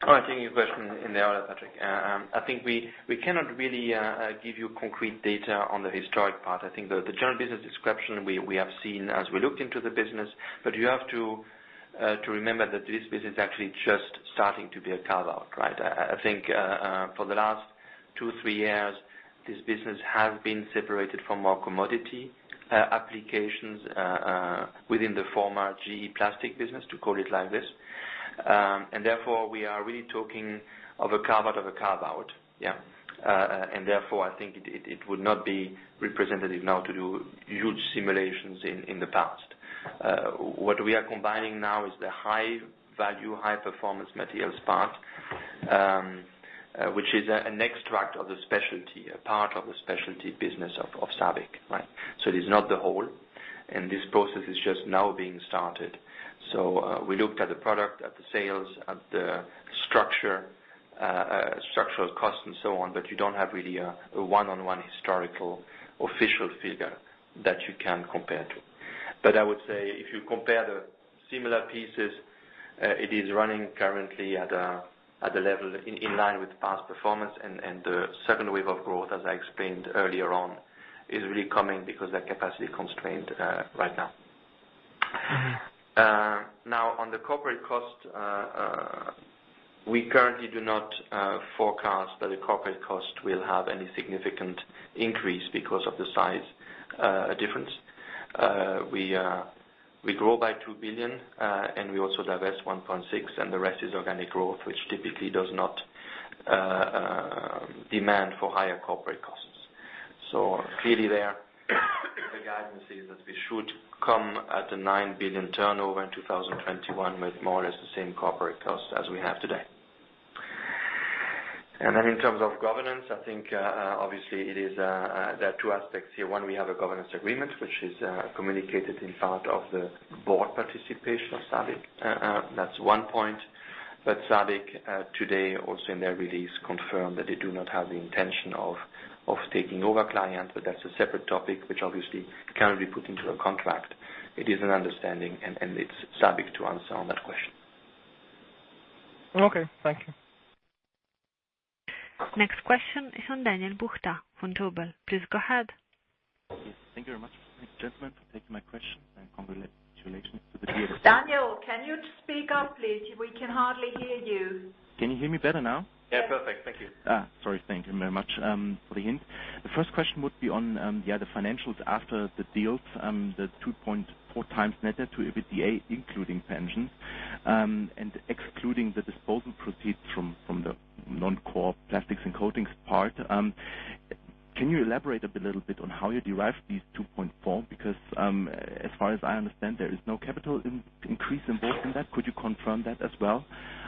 I'll take your question in the order, Patrick. I think we cannot really give you concrete data on the historic part. I think the general business description we have seen as we looked into the business. You have to remember that this business is actually just starting to be a carve-out, right? I think for the last two, three years, this business has been separated from more commodity applications within the former GE Plastics business, to call it like this. Therefore, we are really talking of a carve-out of a carve-out. Yeah. Therefore, I think it would not be representative now to do huge simulations in the past. What we are combining now is the high-value, High Performance Materials part, which is an extract of the specialty, a part of the specialty business of SABIC, right? It is not the whole, this process is just now being started. We looked at the product, at the sales, at the structural cost, and so on, but you don't have really a one-on-one historical official figure that you can compare to. I would say, if you compare the similar pieces, it is running currently at a level in line with past performance, the second wave of growth, as I explained earlier on, is really coming because of that capacity constraint right now. Now, on the corporate cost, we currently do not forecast that the corporate cost will have any significant increase because of the size difference. We grow by 2 billion, we also divest 1.6 billion, the rest is organic growth, which typically does not demand for higher corporate costs. Clearly there, the guidance is that we should come at the 9 billion turnover in 2021 with more or less the same corporate cost as we have today. In terms of governance, I think obviously there are two aspects here. One, we have a governance agreement, which is communicated in part of the board participation of SABIC. That's one point. SABIC today also in their release confirmed that they do not have the intention of taking over Clariant, that's a separate topic which obviously cannot be put into a contract. It is an understanding, and it's SABIC to answer on that question. Okay. Thank you. Next question is on Daniel Buchta from Vontobel. Please go ahead. Yes. Thank you very much. Gentlemen, for taking my question. Daniel, can you speak up, please? We can hardly hear you. Can you hear me better now? Yeah, perfect. Thank you. Sorry. Thank you very much for the hint. The first question would be on the financials after the deals, the 2.4x net debt to EBITDA, including pensions, and excluding the disposal proceeds from the non-core Plastics & Coatings part. Can you elaborate a little bit on how you derive these 2.4? As far as I understand, there is no capital increase involved in that. Could you confirm that as well?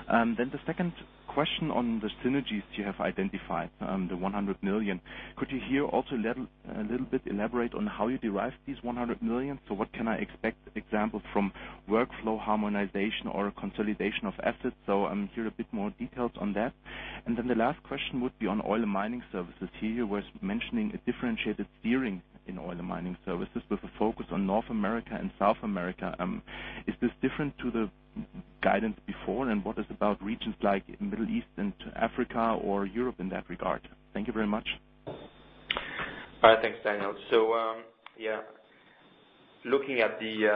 The second question on the synergies you have identified, the 100 million. Could you here also a little bit elaborate on how you derive these 100 million? What can I expect, example, from workflow harmonization or consolidation of assets? I hear a bit more details on that. The last question would be on oil mining services. Here you were mentioning a differentiated steering in oil mining services with a focus on North America and South America. Is this different to the guidance before and what is about regions like Middle East and Africa or Europe in that regard? Thank you very much. All right. Thanks, Daniel. Looking at the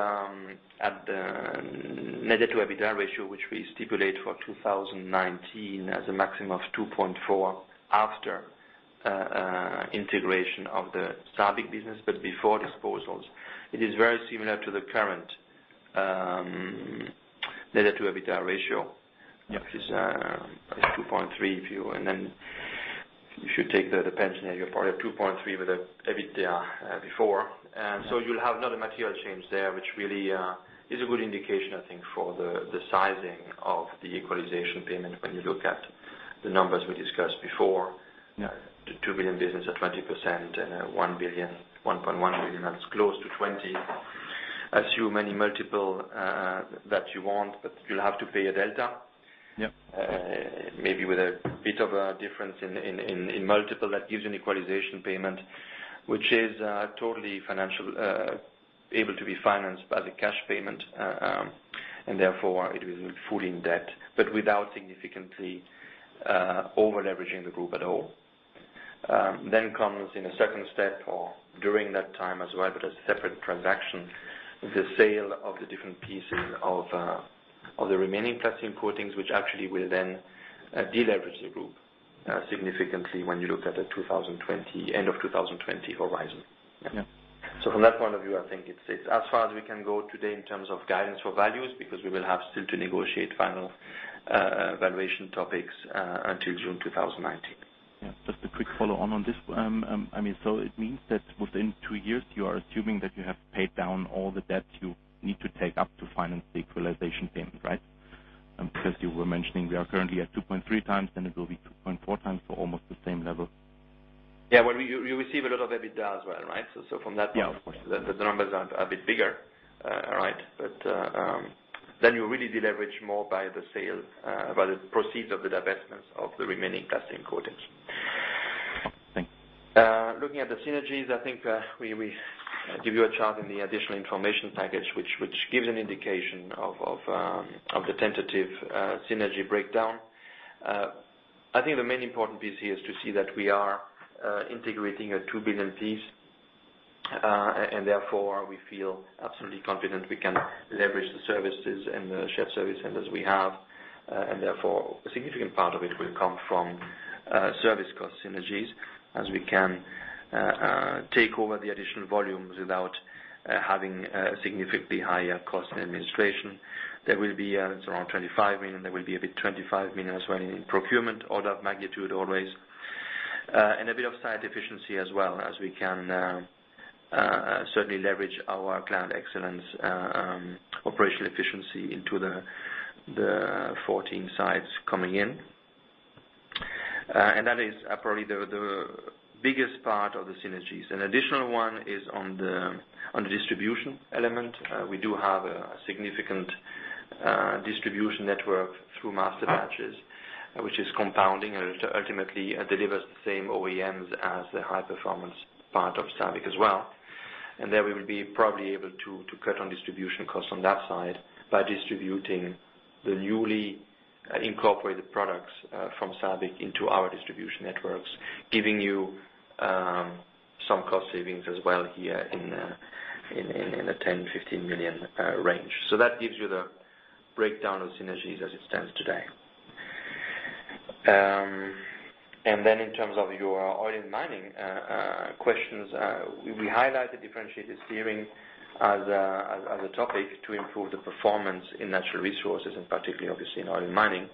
net debt to EBITDA ratio, which we stipulate for 2019 as a maximum of 2.4 after integration of the SABIC business, but before disposals. It is very similar to the current net debt to EBITDA ratio, which is 2.3. If you take the pension out, you're part of 2.3 with the EBITDA before. You'll have not a material change there, which really is a good indication, I think for the sizing of the equalization payment when you look at the numbers we discussed before. The 2 billion business at 20% and 1.1 billion, that's close to 20. Assume any multiple that you want, you'll have to pay a delta. Yep. Maybe with a bit of a difference in multiple that gives you an equalization payment, which is totally able to be financed by the cash payment, and therefore it is fully in debt, without significantly over-leveraging the group at all. Comes in a second step or during that time as well, but as a separate transaction, the sale of the different pieces of the remaining Plastics & Coatings, which actually will then de-leverage the group significantly when you look at the end of 2020 horizon. From that point of view, I think it's as far as we can go today in terms of guidance for values, because we will have still to negotiate final valuation topics until June 2019. Just a quick follow on this. It means that within two years you are assuming that you have paid down all the debts you need to take up to finance the equalization payment, right? Because you were mentioning we are currently at 2.3x, then it will be 2.4x, so almost the same level. Well, you receive a lot of EBITDA as well, right? Of course. the numbers are a bit bigger. You really de-leverage more by the proceeds of the divestments of the remaining Plastics & Coatings. Thank you. Looking at the synergies, I think we give you a chart in the additional information package, which gives an indication of the tentative synergy breakdown. I think the main important piece here is to see that we are integrating a 2 billion piece. We feel absolutely confident we can leverage the services and the shared service centers we have. A significant part of it will come from service cost synergies as we can take over the additional volumes without having a significantly higher cost administration. There will be around 25 million, there will be a bit 25 million as well in procurement order of magnitude, always. A bit of site efficiency as well as we can certainly leverage our plant excellence operational efficiency into the 14 sites coming in. That is probably the biggest part of the synergies. An additional one is on the distribution element. We do have a significant distribution network through Masterbatches, which is compounding and ultimately delivers the same OEMs as the high-performance part of SABIC as well. There we will be probably able to cut on distribution costs on that side by distributing the newly incorporated products from SABIC into our distribution networks, giving you some cost savings as well here in a 10 million-15 million range. That gives you the breakdown of synergies as it stands today. In terms of your oil mining questions, we highlighted differentiated steering as a topic to improve the performance in Natural Resources and particularly obviously in oil and mining.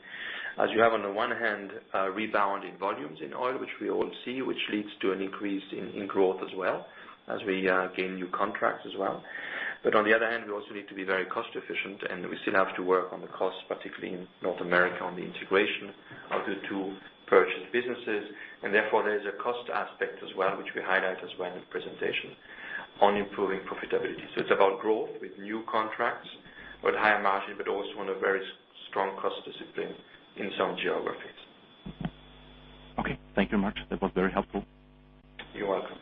On the one hand, a rebound in volumes in oil, which we all see, which leads to an increase in growth as well as we gain new contracts as well. On the other hand, we also need to be very cost efficient and we still have to work on the cost, particularly in North America on the integration of the two purchased businesses. Therefore, there is a cost aspect as well, which we highlight as well in the presentation on improving profitability. It's about growth with new contracts, with higher margins, but also on a very strong cost discipline in some geographies. Okay. Thank you much. That was very helpful. You're welcome.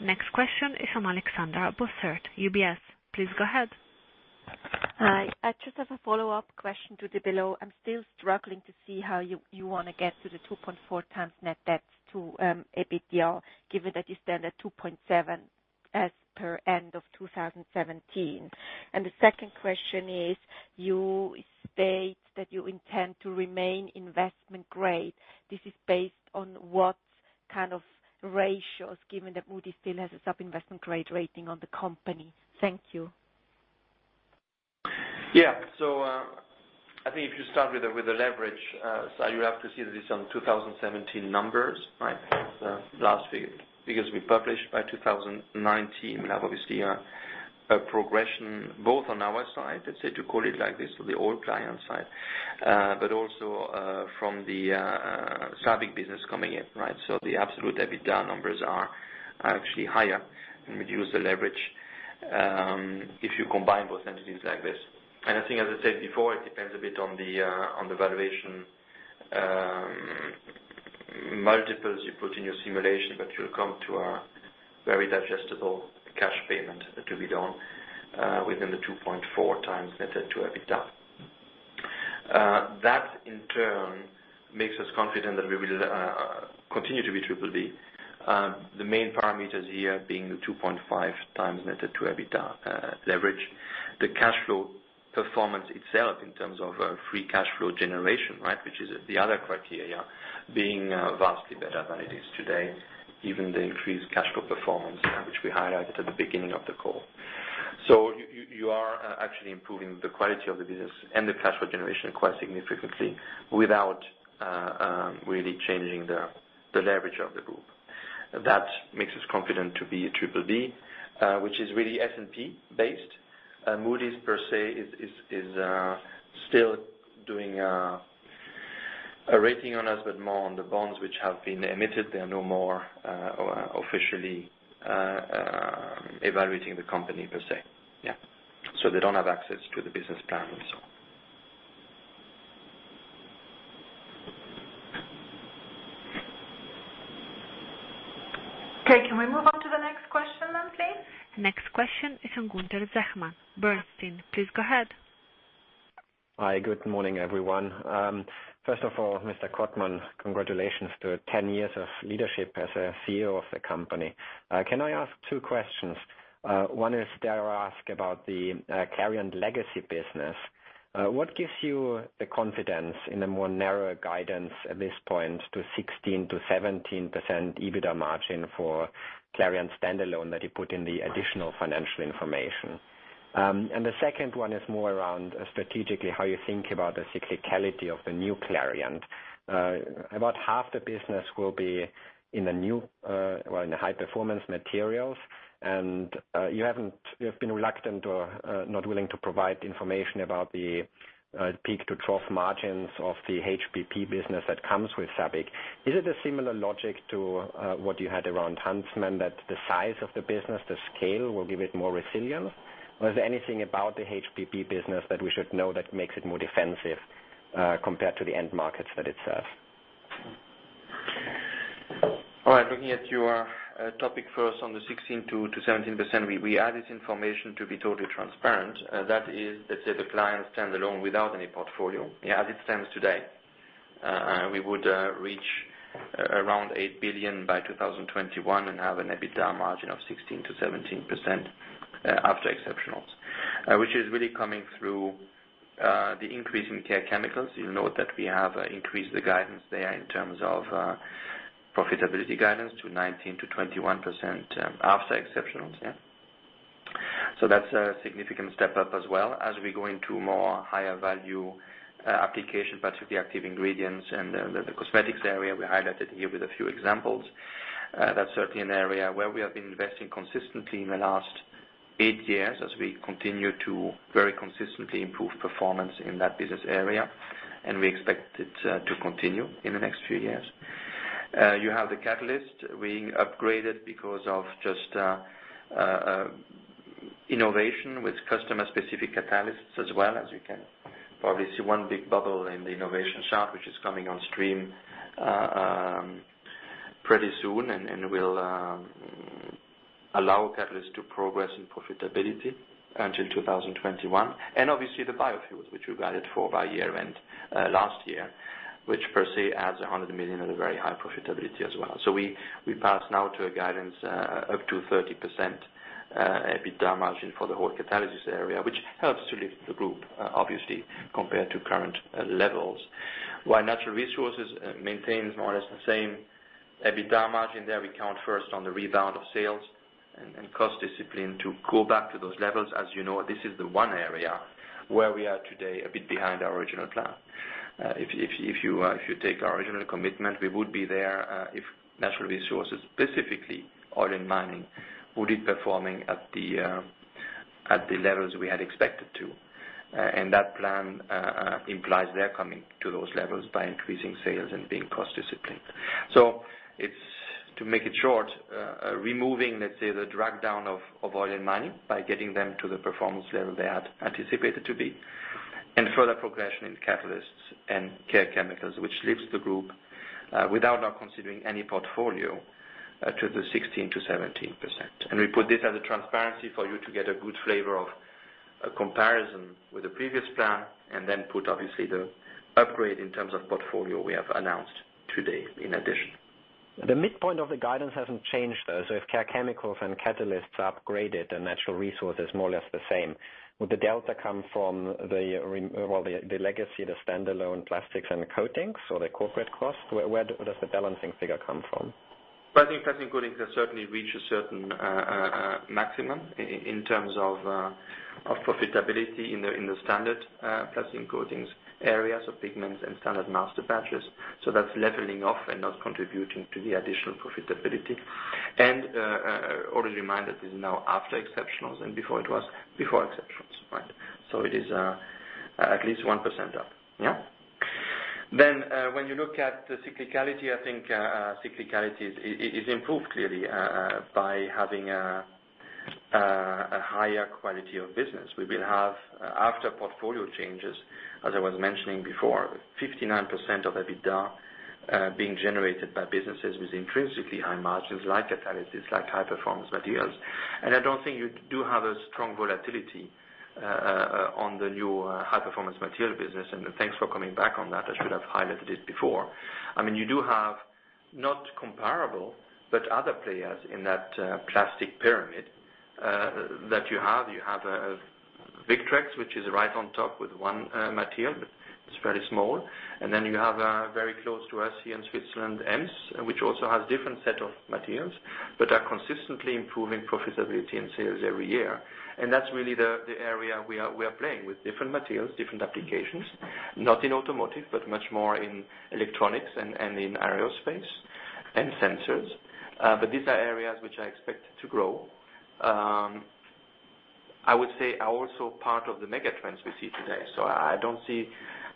Next question is from Alexandra Buberl, UBS. Please go ahead. Hi. I just have a follow-up question to the below. I'm still struggling to see how you want to get to the 2.4x net debt to EBITDA, given that you stand at 2.7 as per end of 2017. The second question is, you state that you intend to remain investment grade. This is based on what kind of ratios, given that Moody's still has a sub-investment grade rating on the company? Thank you. Yeah. I think if you start with the leverage side, you have to see that it's on 2017 numbers, right? Last figures we published. By 2019, we'll have obviously a progression both on our side, let's say, to call it like this, the old Clariant side, but also from the SABIC business coming in, right? The absolute EBITDA numbers are actually higher and reduce the leverage, if you combine both entities like this. I think as I said before, it depends a bit on the valuation multiples you put in your simulation, but you'll come to a very digestible cash payment to be done within the 2.4x net to EBITDA. That, in turn, makes us confident that we will continue to be BBB. The main parameters here being the 2.5x net to EBITDA leverage. The cash flow performance itself in terms of free cash flow generation, right? Which is the other criteria, being vastly better than it is today, given the increased cash flow performance, which we highlighted at the beginning of the call. You are actually improving the quality of the business and the cash flow generation quite significantly without really changing the leverage of the group. That makes us confident to be a BBB, which is really S&P based. Moody's per se, is still doing a rating on us, but more on the bonds which have been emitted. They are no more officially evaluating the company per se. Yeah. They don't have access to the business plan and so on. Okay, can we move on to the next question then, please? The next question is from Gunther Zechmann, Bernstein. Please go ahead. Hi, good morning, everyone. First of all, Mr. Kottmann, congratulations to 10 years of leadership as a CEO of the company. Can I ask two questions? One is dare I ask about the Clariant legacy business. What gives you the confidence in the more narrow guidance at this point to 16%-17% EBITDA margin for Clariant standalone that you put in the additional financial information? The second one is more around strategically how you think about the cyclicality of the new Clariant. About half the business will be in the High Performance Materials and you have been reluctant or not willing to provide information about the peak to trough margins of the HPM business that comes with SABIC. Is it a similar logic to what you had around Huntsman that the size of the business, the scale, will give it more resilience? Is there anything about the HPM business that we should know that makes it more defensive, compared to the end markets that it serves? All right. Looking at your topic first on the 16%-17%, we added information to be totally transparent. That is, let's say the Clariant standalone without any portfolio. As it stands today, we would reach around 8 billion by 2021 and have an EBITDA margin of 16%-17% after exceptionals. Which is really coming through the increase in Care Chemicals. You'll note that we have increased the guidance there in terms of profitability guidance to 19%-21% after exceptionals, yeah. That's a significant step up as well, as we go into more higher value application parts of the active ingredients and the cosmetics area we highlighted here with a few examples. That's certainly an area where we have been investing consistently in the last eight years as we continue to very consistently improve performance in that business area, and we expect it to continue in the next few years. You have the catalyst being upgraded because of just innovation with customer specific catalysts as well. As you can probably see one big bubble in the innovation chart, which is coming on stream pretty soon and will allow catalysts to progress in profitability until 2021. Obviously the biofuels, which we guided for by year-end last year, which per se adds 100 million at a very high profitability as well. We pass now to a guidance of up to 30% EBITDA margin for the whole Catalysis area, which helps to lift the group, obviously, compared to current levels. While Natural Resources maintains more or less the same EBITDA margin there, we count first on the rebound of sales and cost discipline to go back to those levels. As you know, this is the one area where we are today a bit behind our original plan. If you take our original commitment, we would be there if Natural Resources, specifically oil and mining, would be performing at the levels we had expected to. That plan implies they're coming to those levels by increasing sales and being cost disciplined. To make it short, removing, let's say, the drawdown of oil and mining by getting them to the performance level they had anticipated to be, and further progression in Catalysts and Care Chemicals, which lifts the group, without now considering any portfolio, to the 16%-17%. We put this as a transparency for you to get a good flavor of a comparison with the previous plan, then put obviously the upgrade in terms of portfolio we have announced today in addition. The midpoint of the guidance hasn't changed, though. If Care Chemicals and Catalysts are upgraded and Natural Resources more or less the same, would the delta come from the legacy, the standalone remaining Plastics & Coatings or the corporate costs? Where does the balancing figure come from? I think Plastics & Coatings has certainly reached a certain maximum in terms of profitability in the standard Plastics & Coatings areas of pigments and standard Masterbatches. That's leveling off and not contributing to the additional profitability. Always remind that this is now after exceptionals and before it was before exceptionals. It is at least 1% up. When you look at the cyclicality, I think, cyclicality is improved clearly by having a higher quality of business. We will have after portfolio changes, as I was mentioning before, 59% of EBITDA being generated by businesses with intrinsically high margins like Catalysis, like High Performance Materials. I don't think you do have a strong volatility on the new High Performance Materials business. Thanks for coming back on that. I should have highlighted it before. You do have, not comparable, but other players in that plastic pyramid that you have. You have Victrex, which is right on top with one material, but it's fairly small. You have very close to us here in Switzerland, EMS, which also has different set of materials, but are consistently improving profitability and sales every year. That's really the area we are playing with different materials, different applications, not in automotive, but much more in electronics and in aerospace and sensors. These are areas which I expect to grow. I would say, are also part of the megatrends we see today. I don't see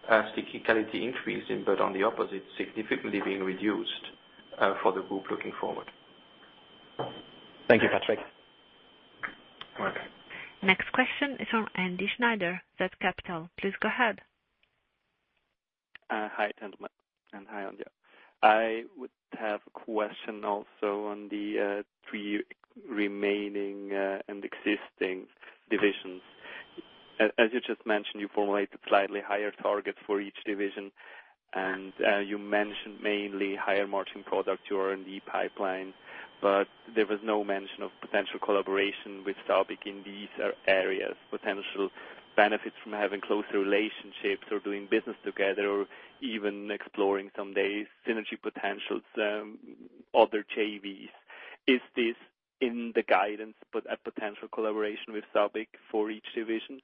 cyclicality increasing, but on the opposite, significantly being reduced for the group looking forward. Thank you, Patrick. Okay. Next question is from Andy Schneider, VZ Capital. Please go ahead. Hi, gentlemen, and hi, Anja. I would have a question also on the three remaining and existing divisions. As you just mentioned, you formulated slightly higher targets for each division. You mentioned mainly higher margin product R&D pipeline. There was no mention of potential collaboration with SABIC in these areas, potential benefits from having closer relationships or doing business together or even exploring some day synergy potentials, other JVs. Is this in the guidance? A potential collaboration with SABIC for each division?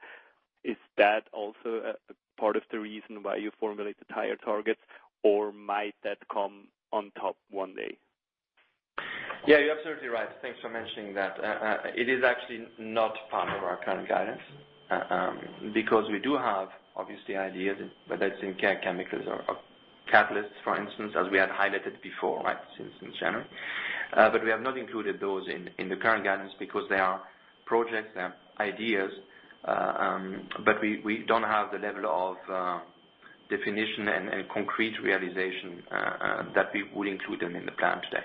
Is that also part of the reason why you formulated higher targets, or might that come on top one day? You're absolutely right. Thanks for mentioning that. It is actually not part of our current guidance, because we do have, obviously, ideas, whether it's in Care Chemicals or Catalysts, for instance, as we had highlighted before, since in January. We have not included those in the current guidance because they are projects, they are ideas. We don't have the level of definition and concrete realization that we would include them in the plan today.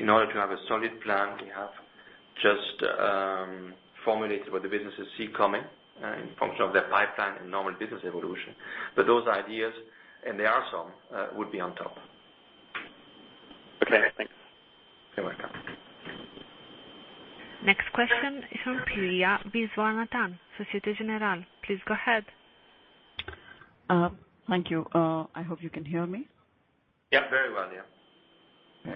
In order to have a solid plan, we have just formulated what the businesses see coming in function of their pipeline and normal business evolution. Those ideas, and there are some, will be on top. Okay, thanks. You're welcome. Next question is from Priya Viswanathan, Société Générale. Please go ahead. Thank you. I hope you can hear me. Yeah, very well. Yeah.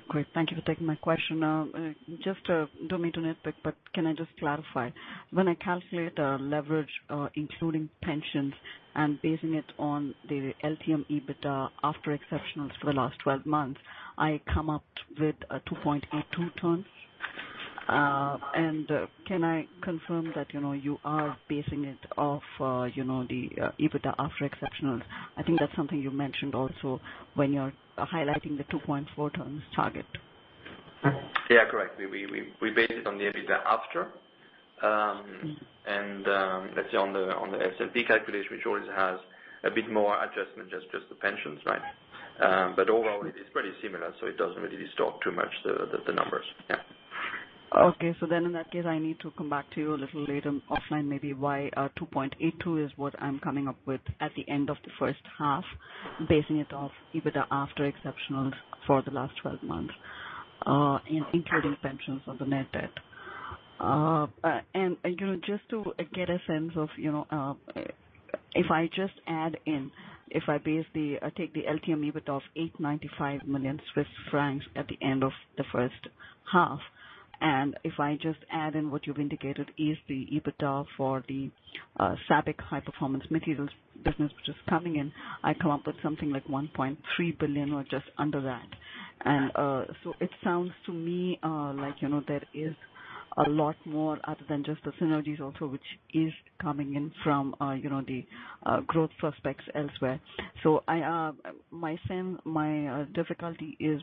Great. Thank you for taking my question. Just don't mean to nitpick, can I just clarify? When I calculate leverage, including pensions and basing it on the LTM EBITDA after exceptionals for the last 12 months, I come up with 2.82 times. Can I confirm that you are basing it off the EBITDA after exceptionals? I think that's something you mentioned also when you're highlighting the 2.4 times target. Correct. We base it on the EBITDA after. Let's say on the S&P calculation, which always has a bit more adjustment, just the pensions. Overall, it's pretty similar, so it doesn't really distort too much the numbers. In that case, I need to come back to you a little later offline, maybe why 2.82 is what I'm coming up with at the end of the first half, basing it off EBITDA after exceptionals for the last 12 months, including pensions of the net debt. Just to get a sense of if I just add in, if I take the LTM EBITDA of 895 million Swiss francs at the end of the first half, if I just add in what you've indicated is the EBITDA for the SABIC High Performance Materials business, which is coming in, I come up with something like 1.3 billion or just under that. It sounds to me like there is a lot more other than just the synergies also, which is coming in from the growth prospects elsewhere. My difficulty is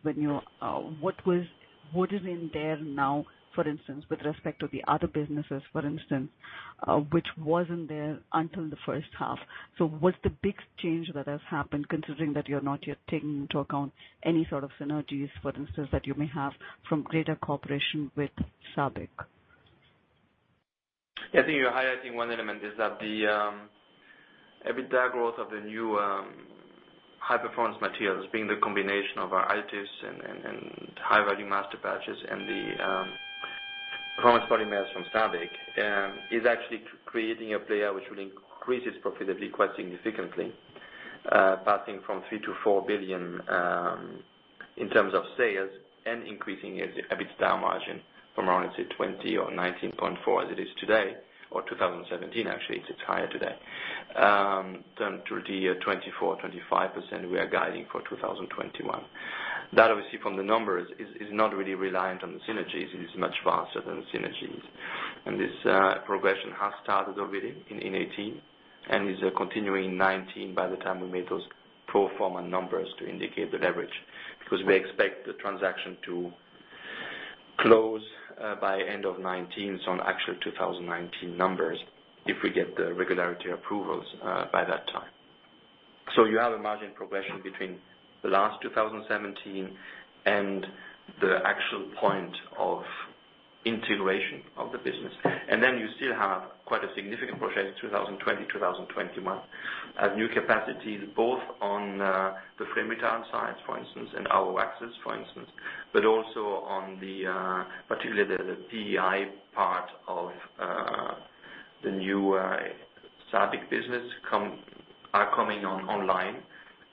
what is in there now, for instance, with respect to the other businesses, for instance, which wasn't there until the first half. What's the big change that has happened, considering that you're not yet taking into account any sort of synergies, for instance, that you may have from greater cooperation with SABIC? I think you're highlighting one element is that the EBITDA growth of the new High Performance Materials, being the combination of our Additives and high-value Masterbatches and the Performance Polymers from SABIC is actually creating a player which will increase its profitability quite significantly, passing from 3 billion to 4 billion in terms of sales and increasing its EBITDA margin from around, let's say, 20% or 19.4% as it is today, or 2017, actually, it's higher today, than to the 24%, 25% we are guiding for 2021. That obviously from the numbers is not really reliant on the synergies. It is much faster than synergies. This progression has started already in 2018, and is continuing in 2019 by the time we made those pro forma numbers to indicate the leverage. We expect the transaction to close by end of 2019, on actual 2019 numbers, if we get the regulatory approvals by that time. You have a margin progression between the last 2017 and the actual point of integration of the business. You still have quite a significant project in 2020, 2021. As new capacities, both on the flame retardant side, for instance, and our waxes, for instance, but also particularly the PEI part of the new SABIC business are coming online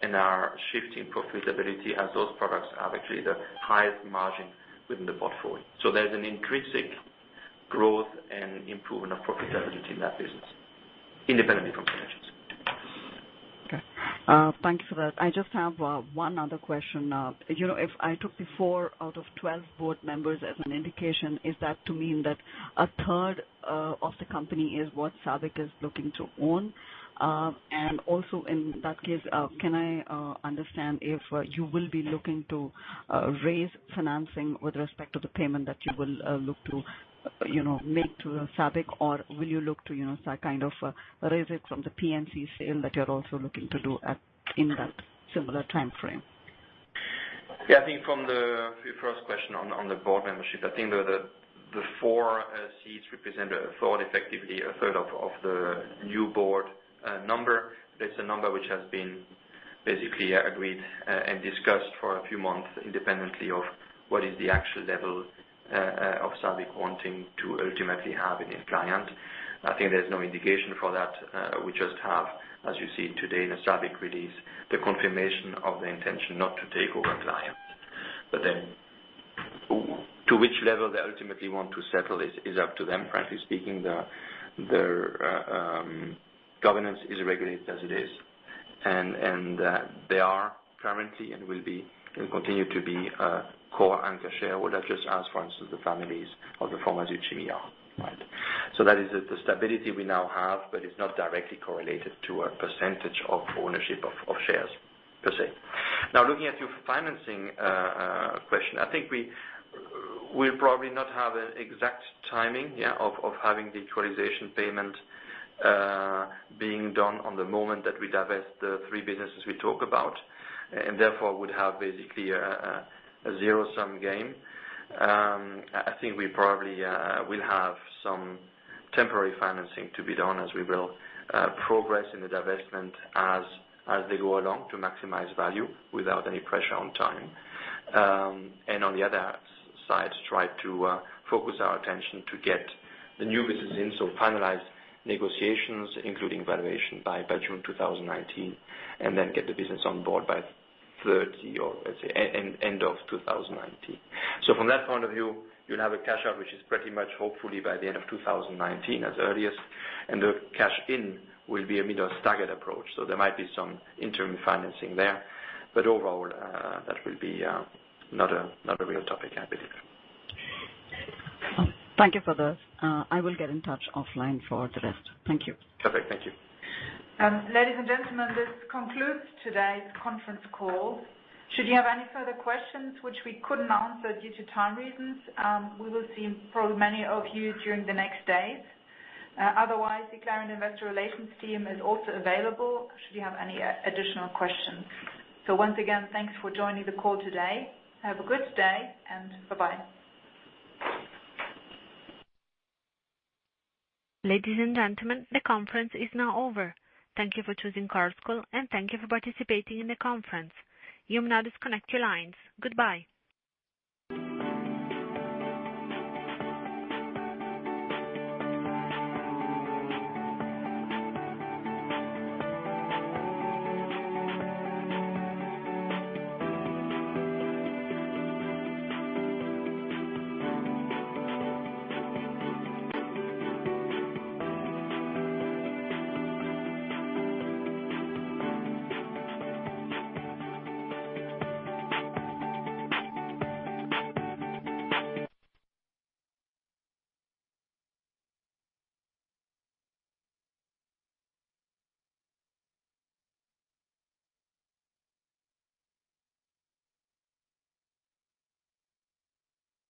and are shifting profitability as those products have actually the highest margin within the portfolio. There's an intrinsic growth and improvement of profitability in that business, independently from synergies. Okay. Thank you for that. I just have one other question. If I took the four out of 12 board members as an indication, is that to mean that a third of the company is what SABIC is looking to own? In that case, can I understand if you will be looking to raise financing with respect to the payment that you will look to make to SABIC? Or will you look to raise it from the remaining Plastics & Coatings sale that you're also looking to do in that similar timeframe? I think from the first question on the board membership, I think the four seats represent a third, effectively, a third of the new board number. That's a number which has been basically agreed, and discussed for a few months independently of what is the actual level of SABIC wanting to ultimately have in Clariant. I think there's no indication for that. We just have, as you see today in the SABIC release, the confirmation of the intention not to take over Clariant. To which level they ultimately want to settle it is up to them. Frankly speaking, their governance is regulated as it is. They are currently, and will continue to be a core anchor shareholder, just as, for instance, the families of the former [Süd-Chemie]. That is the stability we now have, but it's not directly correlated to a percentage of ownership of shares, per se. Now looking at your financing question. I think we'll probably not have an exact timing of having the equalization payment being done on the moment that we divest the three businesses we talk about. Therefore, would have basically a zero-sum game. I think we probably will have some temporary financing to be done as we will progress in the divestment as they go along to maximize value without any pressure on time. On the other side, try to focus our attention to get the new business in. Finalized negotiations, including valuation by June 2019, and then get the business on board by end of 2019. From that point of view, you'll have a cash-out, which is pretty much hopefully by the end of 2019 as earliest, and the cash in will be a staggered approach. There might be some interim financing there. Overall, that will be not a real topic, I believe. Thank you for that. I will get in touch offline for the rest. Thank you. Okay. Thank you. Ladies and gentlemen, this concludes today's conference call. Should you have any further questions which we couldn't answer due to time reasons, we will see probably many of you during the next days. Otherwise, the Clariant Investor Relations team is also available should you have any additional questions. Once again, thanks for joining the call today. Have a good day, and bye-bye. Ladies and gentlemen, the conference is now over. Thank you for choosing [chorus call], and thank you for participating in the conference. You may now disconnect your lines. Goodbye.